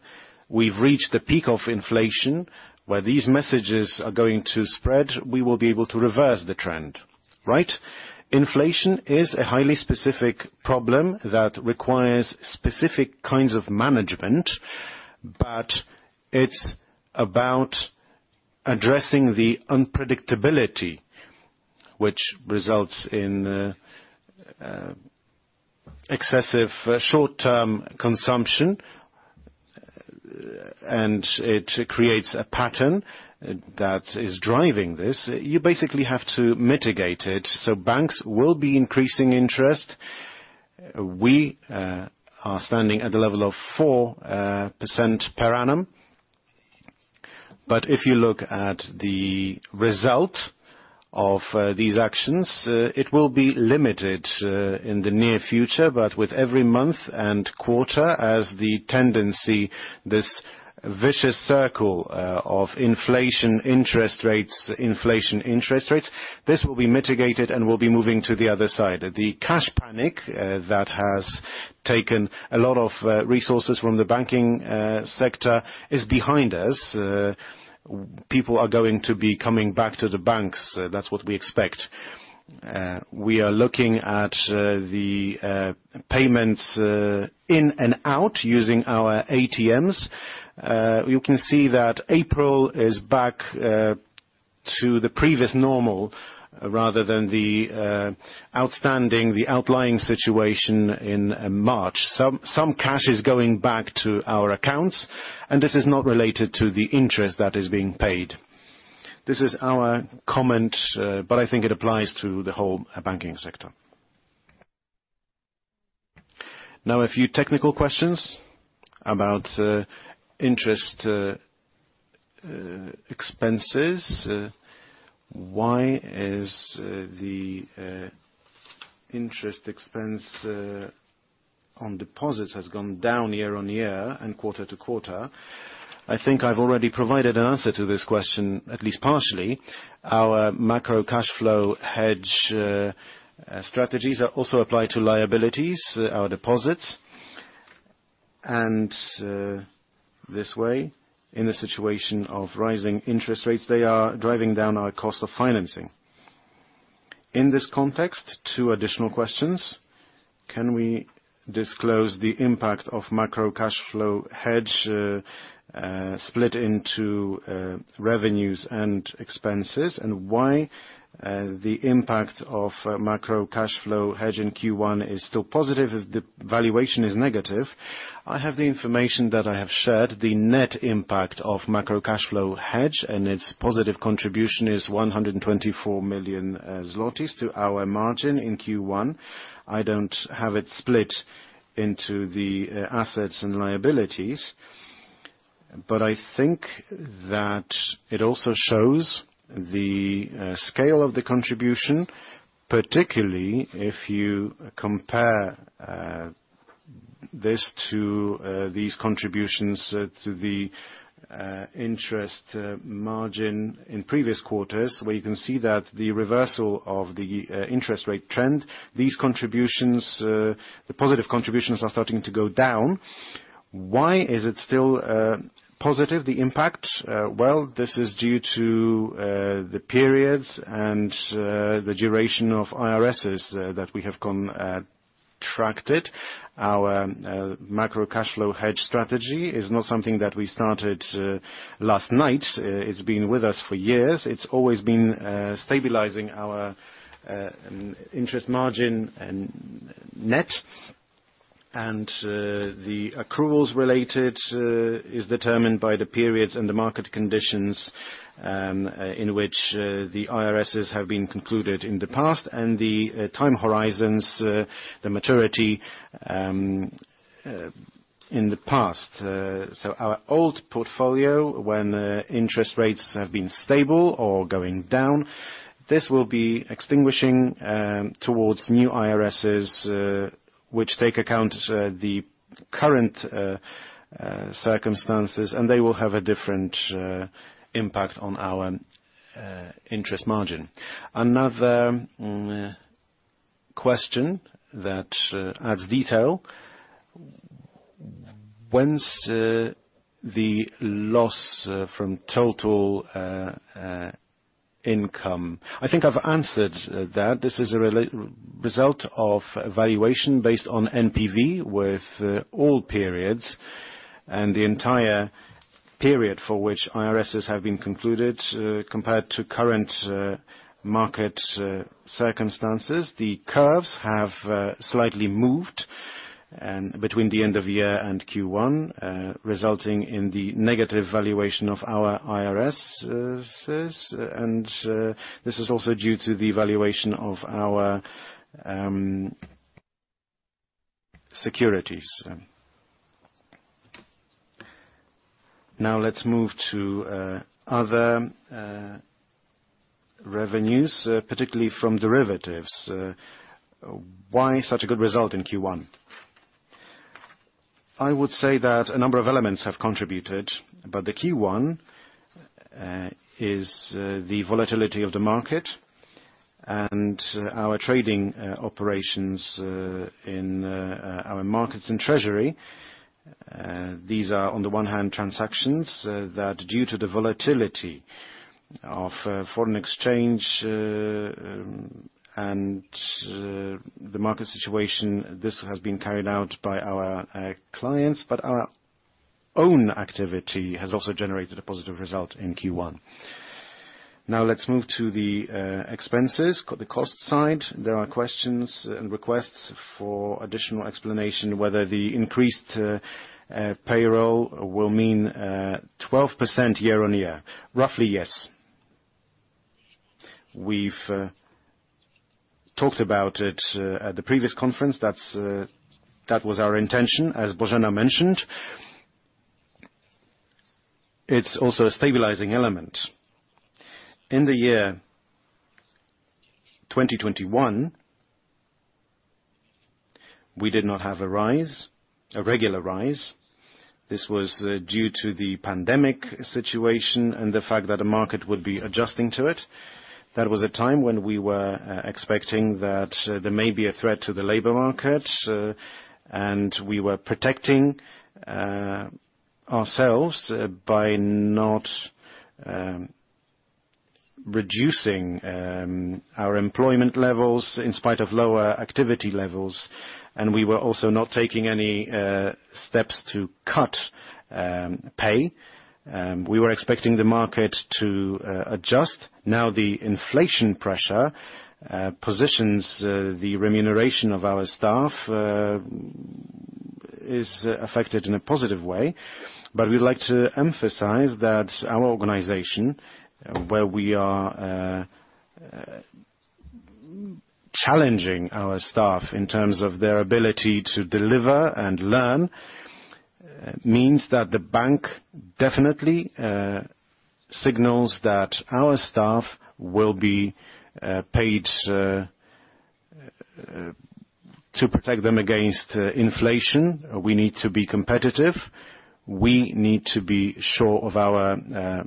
we've reached the peak of inflation, where these messages are going to spread, we will be able to reverse the trend, right? Inflation is a highly specific problem that requires specific kinds of management, but it's about addressing the unpredictability which results in excessive short-term consumption, and it creates a pattern that is driving this. You basically have to mitigate it. Banks will be increasing interest. We are standing at the level of 4% per annum. If you look at the result of these actions, it will be limited in the near future, but with every month and quarter, as the tendency, this vicious circle of inflation, interest rates, inflation, interest rates, this will be mitigated, and we'll be moving to the other side. The cash panic that has taken a lot of resources from the banking sector is behind us. People are going to be coming back to the banks. That's what we expect. We are looking at the payments in and out using our ATMs. You can see that April is back to the previous normal rather than the outlying situation in March. Some cash is going back to our accounts, and this is not related to the interest that is being paid. This is our comment, but I think it applies to the whole banking sector. Now a few technical questions about interest expenses. Why is the interest expense on deposits has gone down year-over-year and quarter-over-quarter? I think I've already provided an answer to this question, at least partially. Our macro cash flow hedge strategies are also applied to liabilities, our deposits. This way, in the situation of rising interest rates, they are driving down our cost of financing. In this context, two additional questions. Can we disclose the impact of macro cash flow hedge split into revenues and expenses? Why the impact of macro cash flow hedge in Q1 is still positive if the valuation is negative? I have the information that I have shared, the net impact of macro cash flow hedge, and its positive contribution is 124 million zlotys to our margin in Q1. I don't have it split into the assets and liabilities, but I think that it also shows the scale of the contribution, particularly if you compare this to these contributions to the interest margin in previous quarters, where you can see that the reversal of the interest rate trend, these contributions, the positive contributions are starting to go down. Why is it still positive, the impact? Well, this is due to the periods and the duration of IRSs that we have contracted. Our macro cash flow hedge strategy is not something that we started last night. It's been with us for years. It's always been stabilizing our interest margin and net. The accruals related is determined by the periods and the market conditions in which the IRSs have been concluded in the past, and the time horizons the maturity in the past. Our old portfolio, when interest rates have been stable or going down, this will be extinguishing towards new IRSs which take account the current circumstances, and they will have a different impact on our interest margin. Another question that adds detail. When's the loss from total income? I think I've answered that. This is a result of valuation based on NPV with all periods. The entire period for which IRSs have been concluded, compared to current market circumstances, the curves have slightly moved and between the end of the year and Q1, resulting in the negative valuation of our IRSs. This is also due to the valuation of our securities. Now let's move to other revenues, particularly from derivatives. Why such a good result in Q1? I would say that a number of elements have contributed, but the key one is the volatility of the market and our trading operations in our markets and treasury. These are on the one hand, transactions that due to the volatility of foreign exchange and the market situation, this has been carried out by our clients, but our own activity has also generated a positive result in Q1. Now let's move to the expenses, the cost side. There are questions and requests for additional explanation, whether the increased payroll will mean 12% year-on-year. Roughly, yes. We've talked about it at the previous conference. That was our intention, as Bożena mentioned. It's also a stabilizing element. In the year 2021, we did not have a regular rise. This was due to the pandemic situation and the fact that the market would be adjusting to it. That was a time when we were expecting that there may be a threat to the labor market, and we were protecting ourselves by not reducing our employment levels in spite of lower activity levels. We were also not taking any steps to cut pay. We were expecting the market to adjust. Now, the inflation pressure positions the remuneration of our staff is affected in a positive way. We'd like to emphasize that our organization, where we are challenging our staff in terms of their ability to deliver and learn, means that the bank definitely signals that our staff will be paid to protect them against inflation. We need to be competitive. We need to be sure of our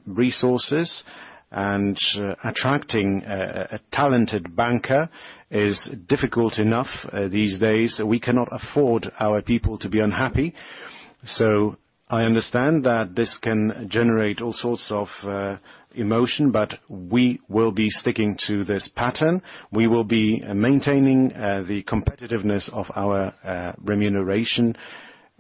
resources. Attracting a talented banker is difficult enough these days. We cannot afford our people to be unhappy. I understand that this can generate all sorts of emotion, but we will be sticking to this pattern. We will be maintaining the competitiveness of our remuneration,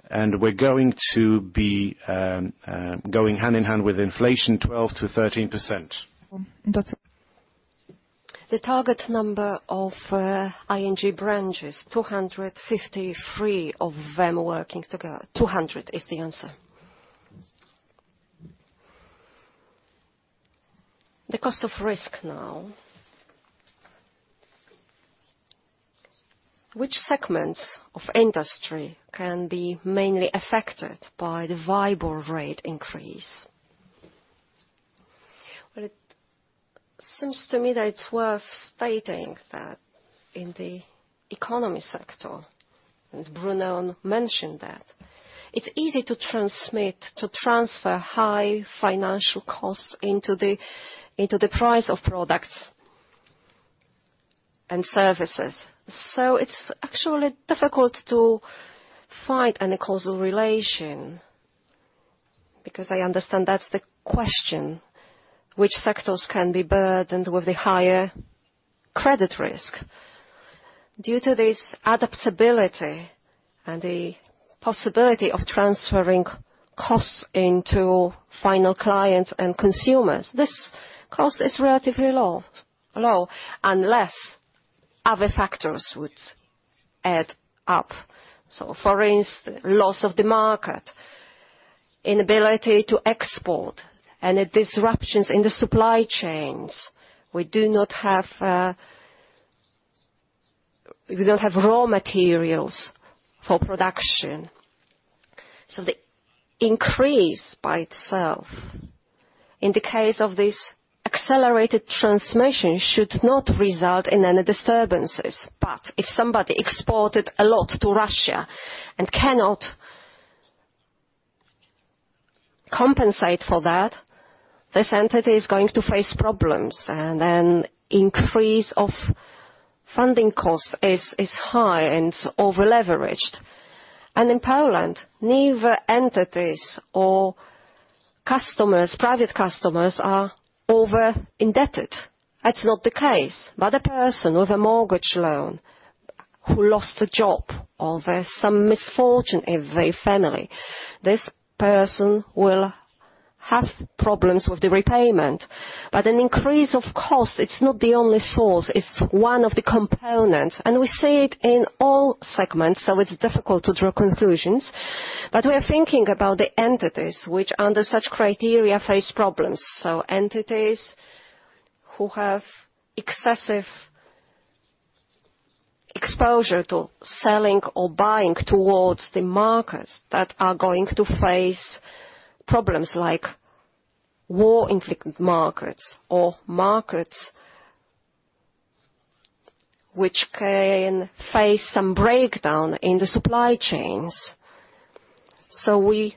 and we're going to be going hand in hand with inflation 12%-13%. The target number of ING branches, 253 of them working together. 200 is the answer. The cost of risk now. Which segments of industry can be mainly affected by the WIBOR rate increase? Well, it seems to me that it's worth stating that in the economy sector, and Brunon mentioned that it's easy to transmit, to transfer high financial costs into the price of products and services. It's actually difficult to find any causal relation, because I understand that's the question, which sectors can be burdened with the higher credit risk? Due to this adaptability and the possibility of transferring costs into final clients and consumers, this cost is relatively low, unless other factors would add up. For instance, loss of the market, inability to export, any disruptions in the supply chains. We don't have raw materials for production. The increase by itself in the case of this accelerated transmission should not result in any disturbances. If somebody exported a lot to Russia and cannot compensate for that, this entity is going to face problems, and an increase of funding cost is high and over-leveraged. In Poland, neither entities nor customers, private customers are over-indebted. That's not the case. A person with a mortgage loan who lost a job, or there's some misfortune in their family, this person will have problems with the repayment. An increase of cost, it's not the only source, it's one of the components. We see it in all segments, so it's difficult to draw conclusions. We're thinking about the entities which under such criteria face problems. Entities who have excessive exposure to selling or buying towards the markets that are going to face problems like war-inflicted markets or markets which can face some breakdown in the supply chains. We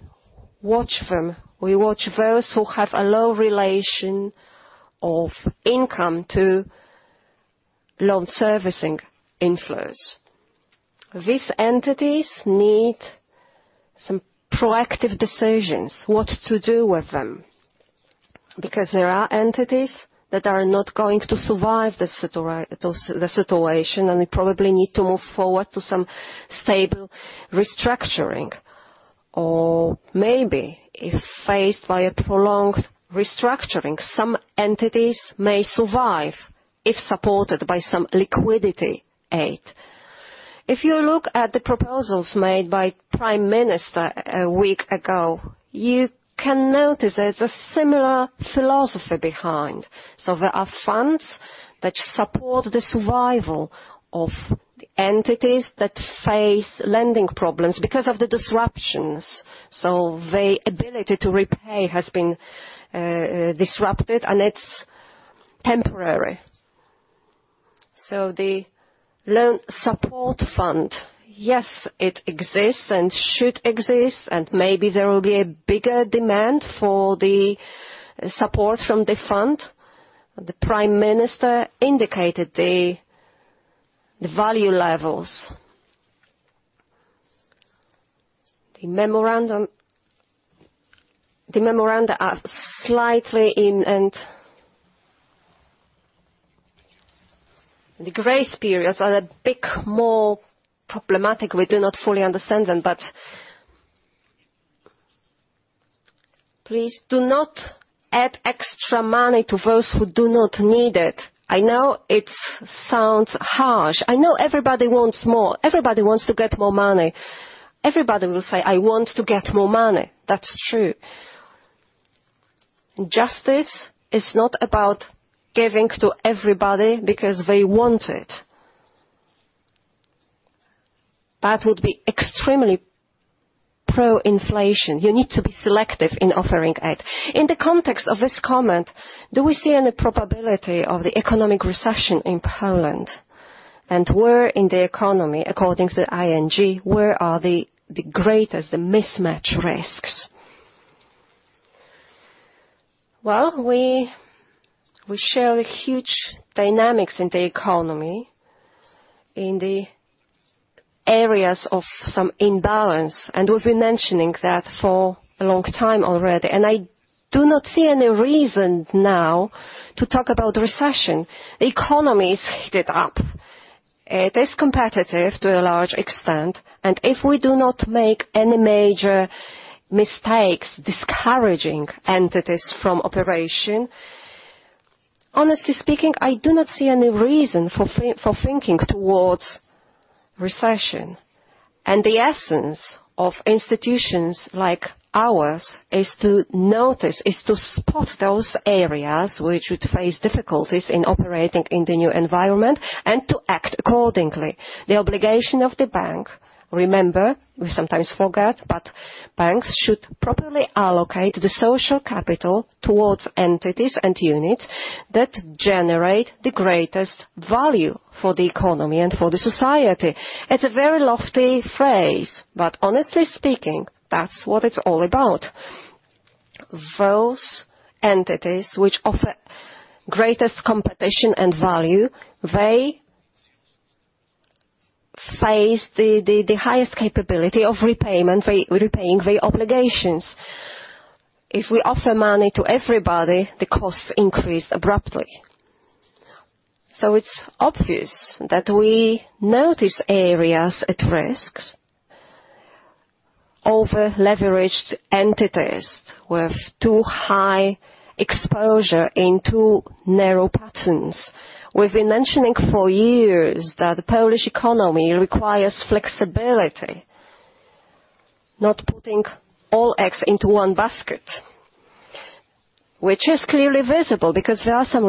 watch them. We watch those who have a low relation of income to loan servicing inflows. These entities need some proactive decisions, what to do with them, because there are entities that are not going to survive the situation, and they probably need to move forward to some stable restructuring. Or maybe if faced by a prolonged restructuring, some entities may survive if supported by some liquidity aid. If you look at the proposals made by Prime Minister a week ago, you can notice there's a similar philosophy behind. There are funds that support the survival of entities that face lending problems because of the disruptions. Their ability to repay has been disrupted, and it's temporary. The loan support fund, yes, it exists and should exist, and maybe there will be a bigger demand for the support from the fund. The Prime Minister indicated the value levels. The memorandum, the memoranda are slightly in. The grace periods are a bit more problematic. We do not fully understand them. Please do not add extra money to those who do not need it. I know it sounds harsh. I know everybody wants more. Everybody wants to get more money. Everybody will say, "I want to get more money." That's true. Justice is not about giving to everybody because they want it. That would be extremely pro-inflation. You need to be selective in offering it. In the context of this comment, do we see any probability of the economic recession in Poland? Where in the economy, according to ING, where are the greatest mismatch risks? Well, we share the huge dynamics in the economy, in the areas of some imbalance, and we've been mentioning that for a long time already. I do not see any reason now to talk about recession. Economy is heated up. It is competitive to a large extent, and if we do not make any major mistakes discouraging entities from operation, honestly speaking, I do not see any reason for thinking towards recession. The essence of institutions like ours is to notice, to spot those areas which would face difficulties in operating in the new environment and to act accordingly. The obligation of the bank, remember, we sometimes forget, but banks should properly allocate the social capital towards entities and units that generate the greatest value for the economy and for the society. It's a very lofty phrase, but honestly speaking, that's what it's all about. Those entities which offer greatest competition and value, they face the highest capability of repayment, they repay their obligations. If we offer money to everybody, the costs increase abruptly. It's obvious that we notice areas at risks. Over-leveraged entities with too high exposure in too narrow patterns. We've been mentioning for years that the Polish economy requires flexibility, not putting all eggs into one basket, which is clearly visible because there are some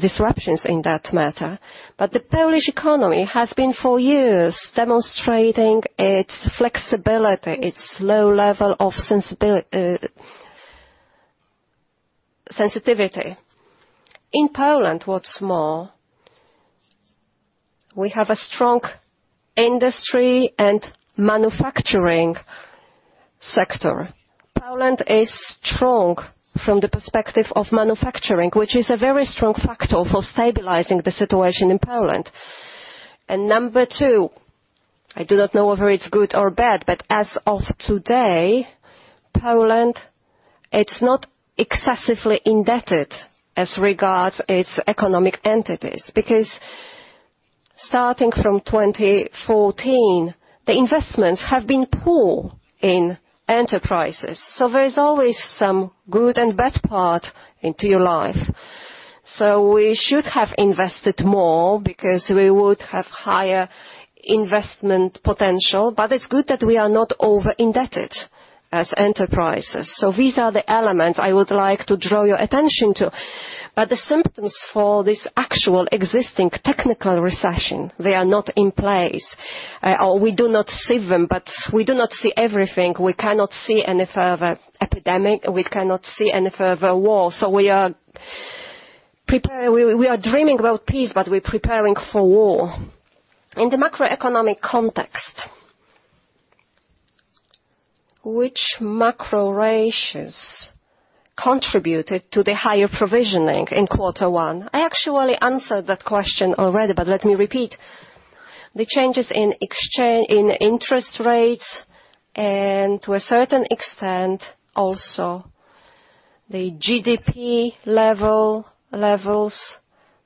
disruptions in that matter. The Polish economy has been for years demonstrating its flexibility, its low level of sensitivity. In Poland, what's more, we have a strong industry and manufacturing sector. Poland is strong from the perspective of manufacturing, which is a very strong factor for stabilizing the situation in Poland. Number two, I do not know whether it's good or bad, but as of today, Poland, it's not excessively indebted as regards its economic entities, because starting from 2014, the investments have been poor in enterprises. There's always some good and bad part into your life. We should have invested more because we would have higher investment potential, but it's good that we are not over-indebted as enterprises. These are the elements I would like to draw your attention to. The symptoms for this actual existing technical recession, they are not in place, or we do not see them, but we do not see everything. We cannot see any further epidemic. We cannot see any further war. We are dreaming about peace, but we're preparing for war. In the macroeconomic context, which macro ratios contributed to the higher provisioning in Q1? I actually answered that question already but let me repeat. The changes in interest rates and to a certain extent, also the GDP levels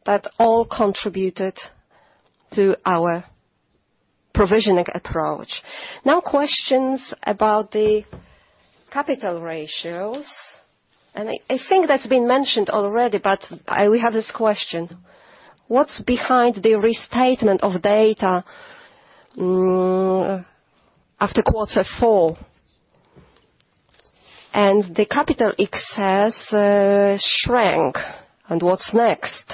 that all contributed to our provisioning approach. Now, questions about the capital ratios, I think that's been mentioned already, but we have this question: What's behind the restatement of data after Q4? The capital excess shrank. What's next?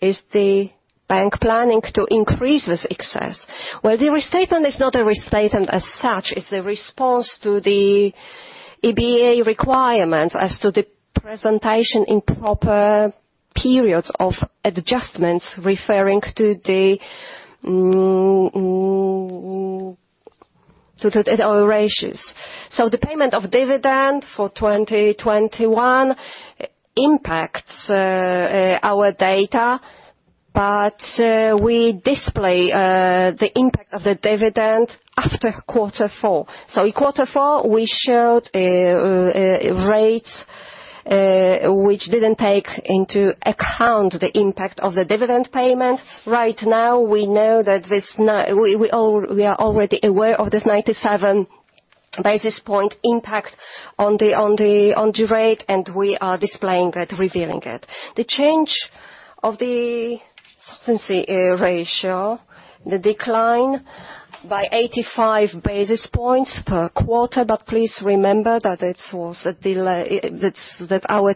Is the bank planning to increase this excess? Well, the restatement is not a restatement as such. It's the response to the EBA requirements as to the presentation in proper periods of adjustments referring to our ratios. The payment of dividends for 2021 impacts our data, but we display the impact of the dividend after Q4. In Q4, we showed rates which didn't take into account the impact of the dividend payment. We are already aware of this 97 basis point impact on the rate, and we are displaying it, revealing it. The change of the solvency ratio, the decline by 85 basis points per quarter. Please remember that it was a delay, that our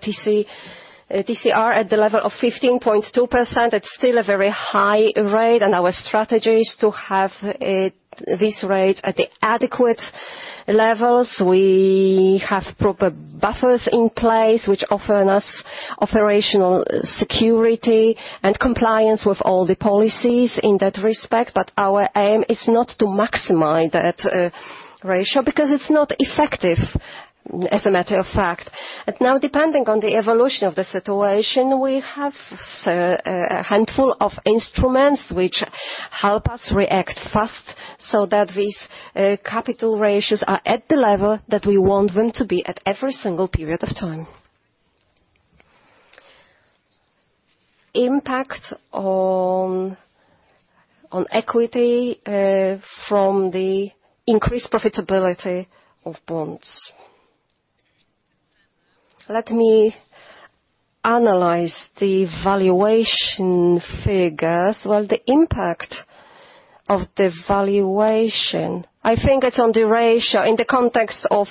TCR at the level of 15.2%, it's still a very high rate, and our strategy is to have it, this rate at the adequate levels. We have proper buffers in place which offer us operational security and compliance with all the policies in that respect. Our aim is not to maximize that ratio because it's not effective, as a matter of fact. Now, depending on the evolution of the situation, we have a handful of instruments which help us react fast so that these capital ratios are at the level that we want them to be at every single period of time. Impact on equity from the increased profitability of bonds. Let me analyze the valuation figures. Well, the impact of the valuation, I think it's on the ratio in the context of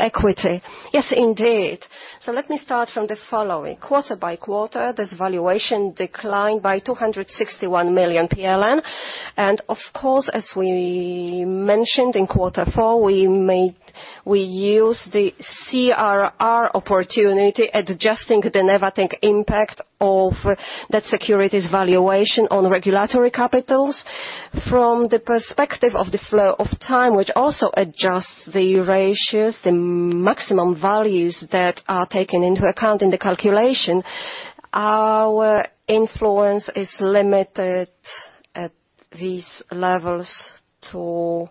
equity. Yes, indeed. Let me start from the following. Quarter-by-quarter, this valuation declined by 261 million PLN. Of course, as we mentioned in Q4, we used the CRR opportunity, adjusting the negative impact of that securities valuation on regulatory capital. From the perspective of the flow of time, which also adjusts the ratios, the maximum values that are taken into account in the calculation, our influence is limited at these levels to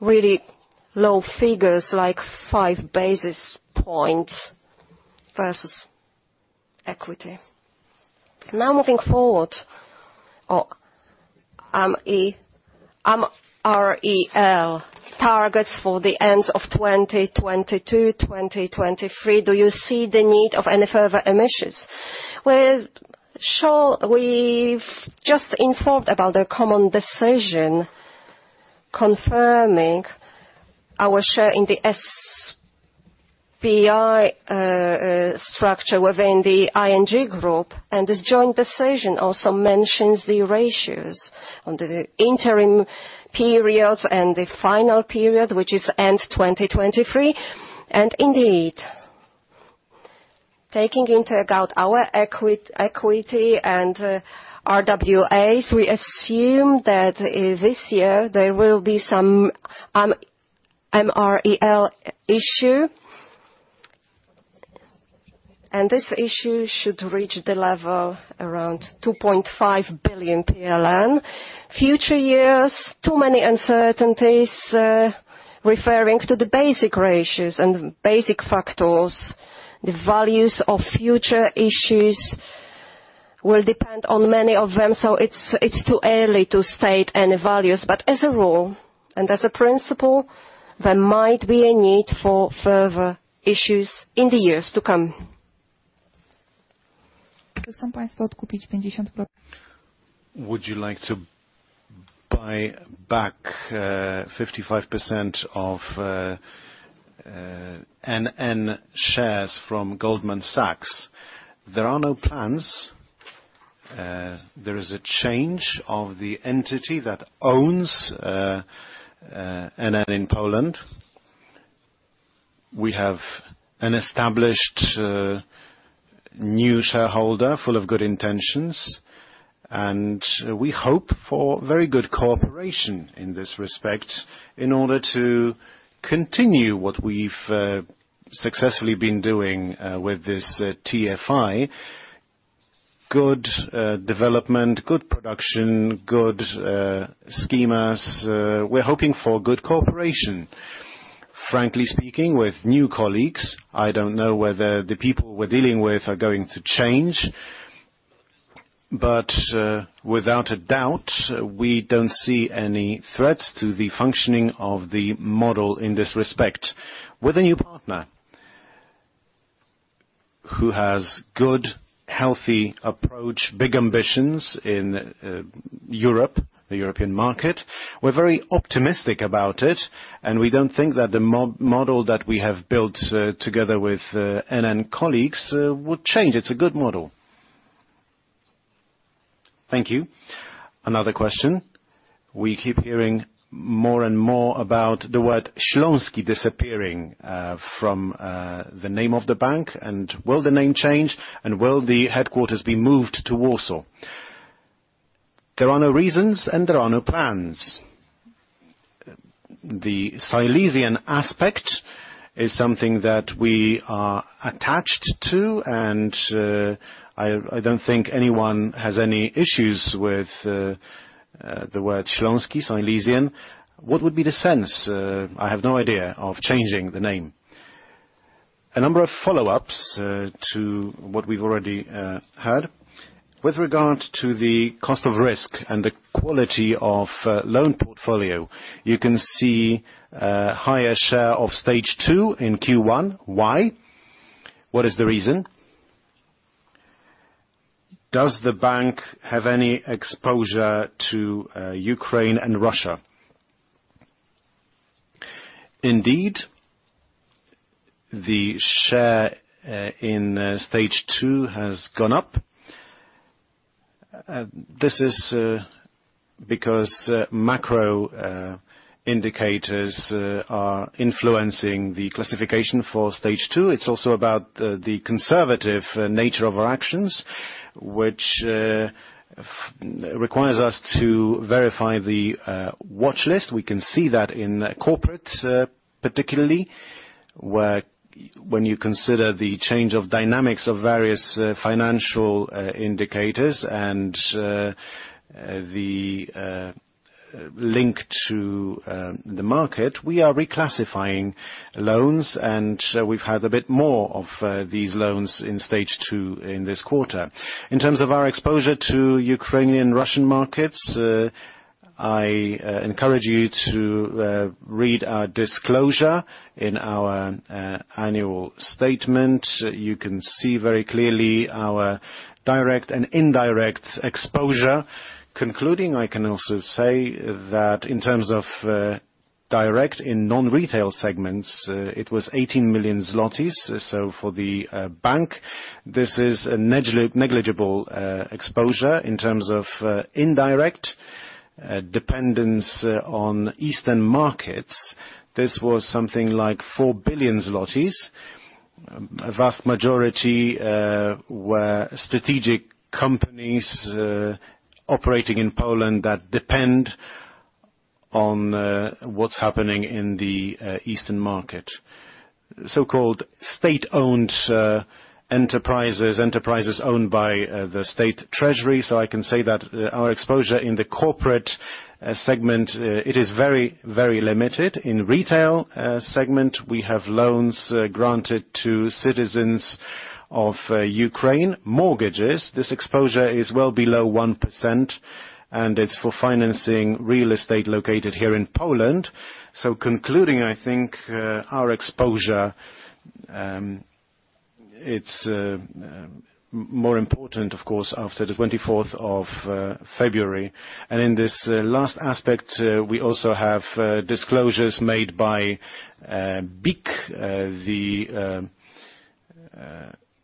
really low figures, like five basis points versus equity. Now moving forward. MREL targets for the end of 2022/2023, do you see the need of any further issuances? Well, sure we've just informed about the common decision confirming our share in the SPI structure within the ING Group, and this joint decision also mentions the ratios on the interim periods and the final period, which is end 2023. Indeed, taking into account our equity and RWAs, we assume that this year there will be some MREL issue. This issue should reach the level around 2.5 billion PLN. Future years, too many uncertainties referring to the basic ratios and basic factors. The values of future issues will depend on many of them, so it's too early to state any values. As a rule, and as a principle, there might be a need for further issues in the years to come. Would you like to buy back 55% of NN shares from Goldman Sachs? There are no plans. There is a change of the entity that owns NN in Poland. We have an established new shareholder full of good intentions, and we hope for very good cooperation in this respect in order to continue what we've successfully been doing with this TFI. Good development, good production, good schemes. We're hoping for good cooperation. Frankly speaking, with new colleagues, I don't know whether the people we're dealing with are going to change, but without a doubt, we don't see any threats to the functioning of the model in this respect. With a new partner who has good, healthy approach, big ambitions in Europe, the European market, we're very optimistic about it, and we don't think that the model that we have built together with NN colleagues will change. It's a good model. Thank you. Another question. We keep hearing more and more about the word Śląski disappearing from the name of the bank. Will the name change, and will the headquarters be moved to Warsaw? There are no reasons, and there are no plans. The Silesian aspect is something that we are attached to, and I don't think anyone has any issues with the word Śląski, Silesian. What would be the sense, I have no idea, of changing the name? A number of follow-ups to what we've already heard. With regard to the cost of risk and the quality of loan portfolio, you can see a higher share of Stage 2 in Q1. Why? What is the reason? Does the bank have any exposure to Ukraine and Russia? Indeed, the share in Stage 2 has gone up. This is because macro indicators are influencing the classification for Stage 2. It's also about the conservative nature of our actions, which requires us to verify the watchlist. We can see that in corporate particularly, where when you consider the change of dynamics of various financial indicators and the link to the market, we are reclassifying loans and we've had a bit more of these loans in Stage 2 in this quarter. In terms of our exposure to Ukrainian Russian markets, I encourage you to read our disclosure in our annual statement. You can see very clearly our direct and indirect exposure. Concluding, I can also say that in terms of direct and non-retail segments, it was 18 million zlotys. For the bank, this is a negligible exposure in terms of indirect dependence on Eastern markets. This was something like 4 billion zlotys. A vast majority were strategic companies operating in Poland that depend on what's happening in the eastern market. So called state-owned enterprises owned by the state treasury, I can say that our exposure in the corporate segment, it is very, very limited. In retail segment, we have loans granted to citizens of Ukraine, mortgages. This exposure is well below 1%, and it's for financing real estate located here in Poland. Concluding, I think, our exposure is more important, of course, after the twenty-fourth of February. In this last aspect, we also have disclosures made by BIK, the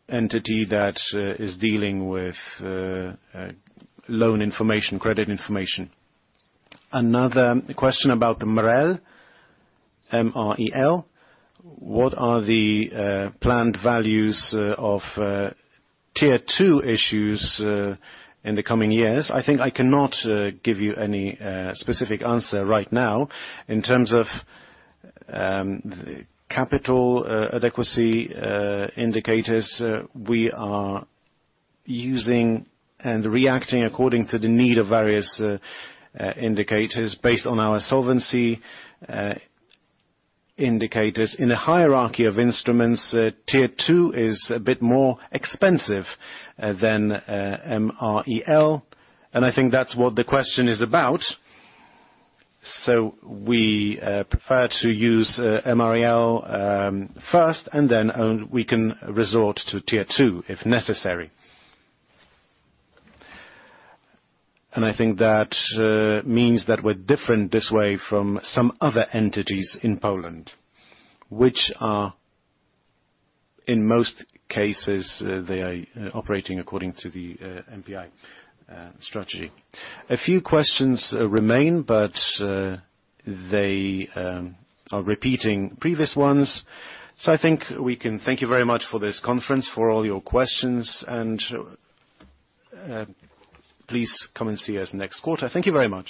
entity that is dealing with loan information, credit information. Another question about the MREL, M-R-E-L. What are the planned values of Tier 2 issues in the coming years? I think I cannot give you any specific answer right now. In terms of capital adequacy indicators, we are using and reacting according to the need of various indicators based on our solvency indicators. In a hierarchy of instruments, Tier 2 is a bit more expensive than a MREL, and I think that's what the question is about. We prefer to use MREL first, and then we can resort to Tier 2 if necessary. I think that means that we're different this way from some other entities in Poland, which are in most cases, they are operating according to the MPI strategy. A few questions remain, but they are repeating previous ones, so I think we can thank you very much for this conference, for all your questions, and please come and see us next quarter. Thank you very much.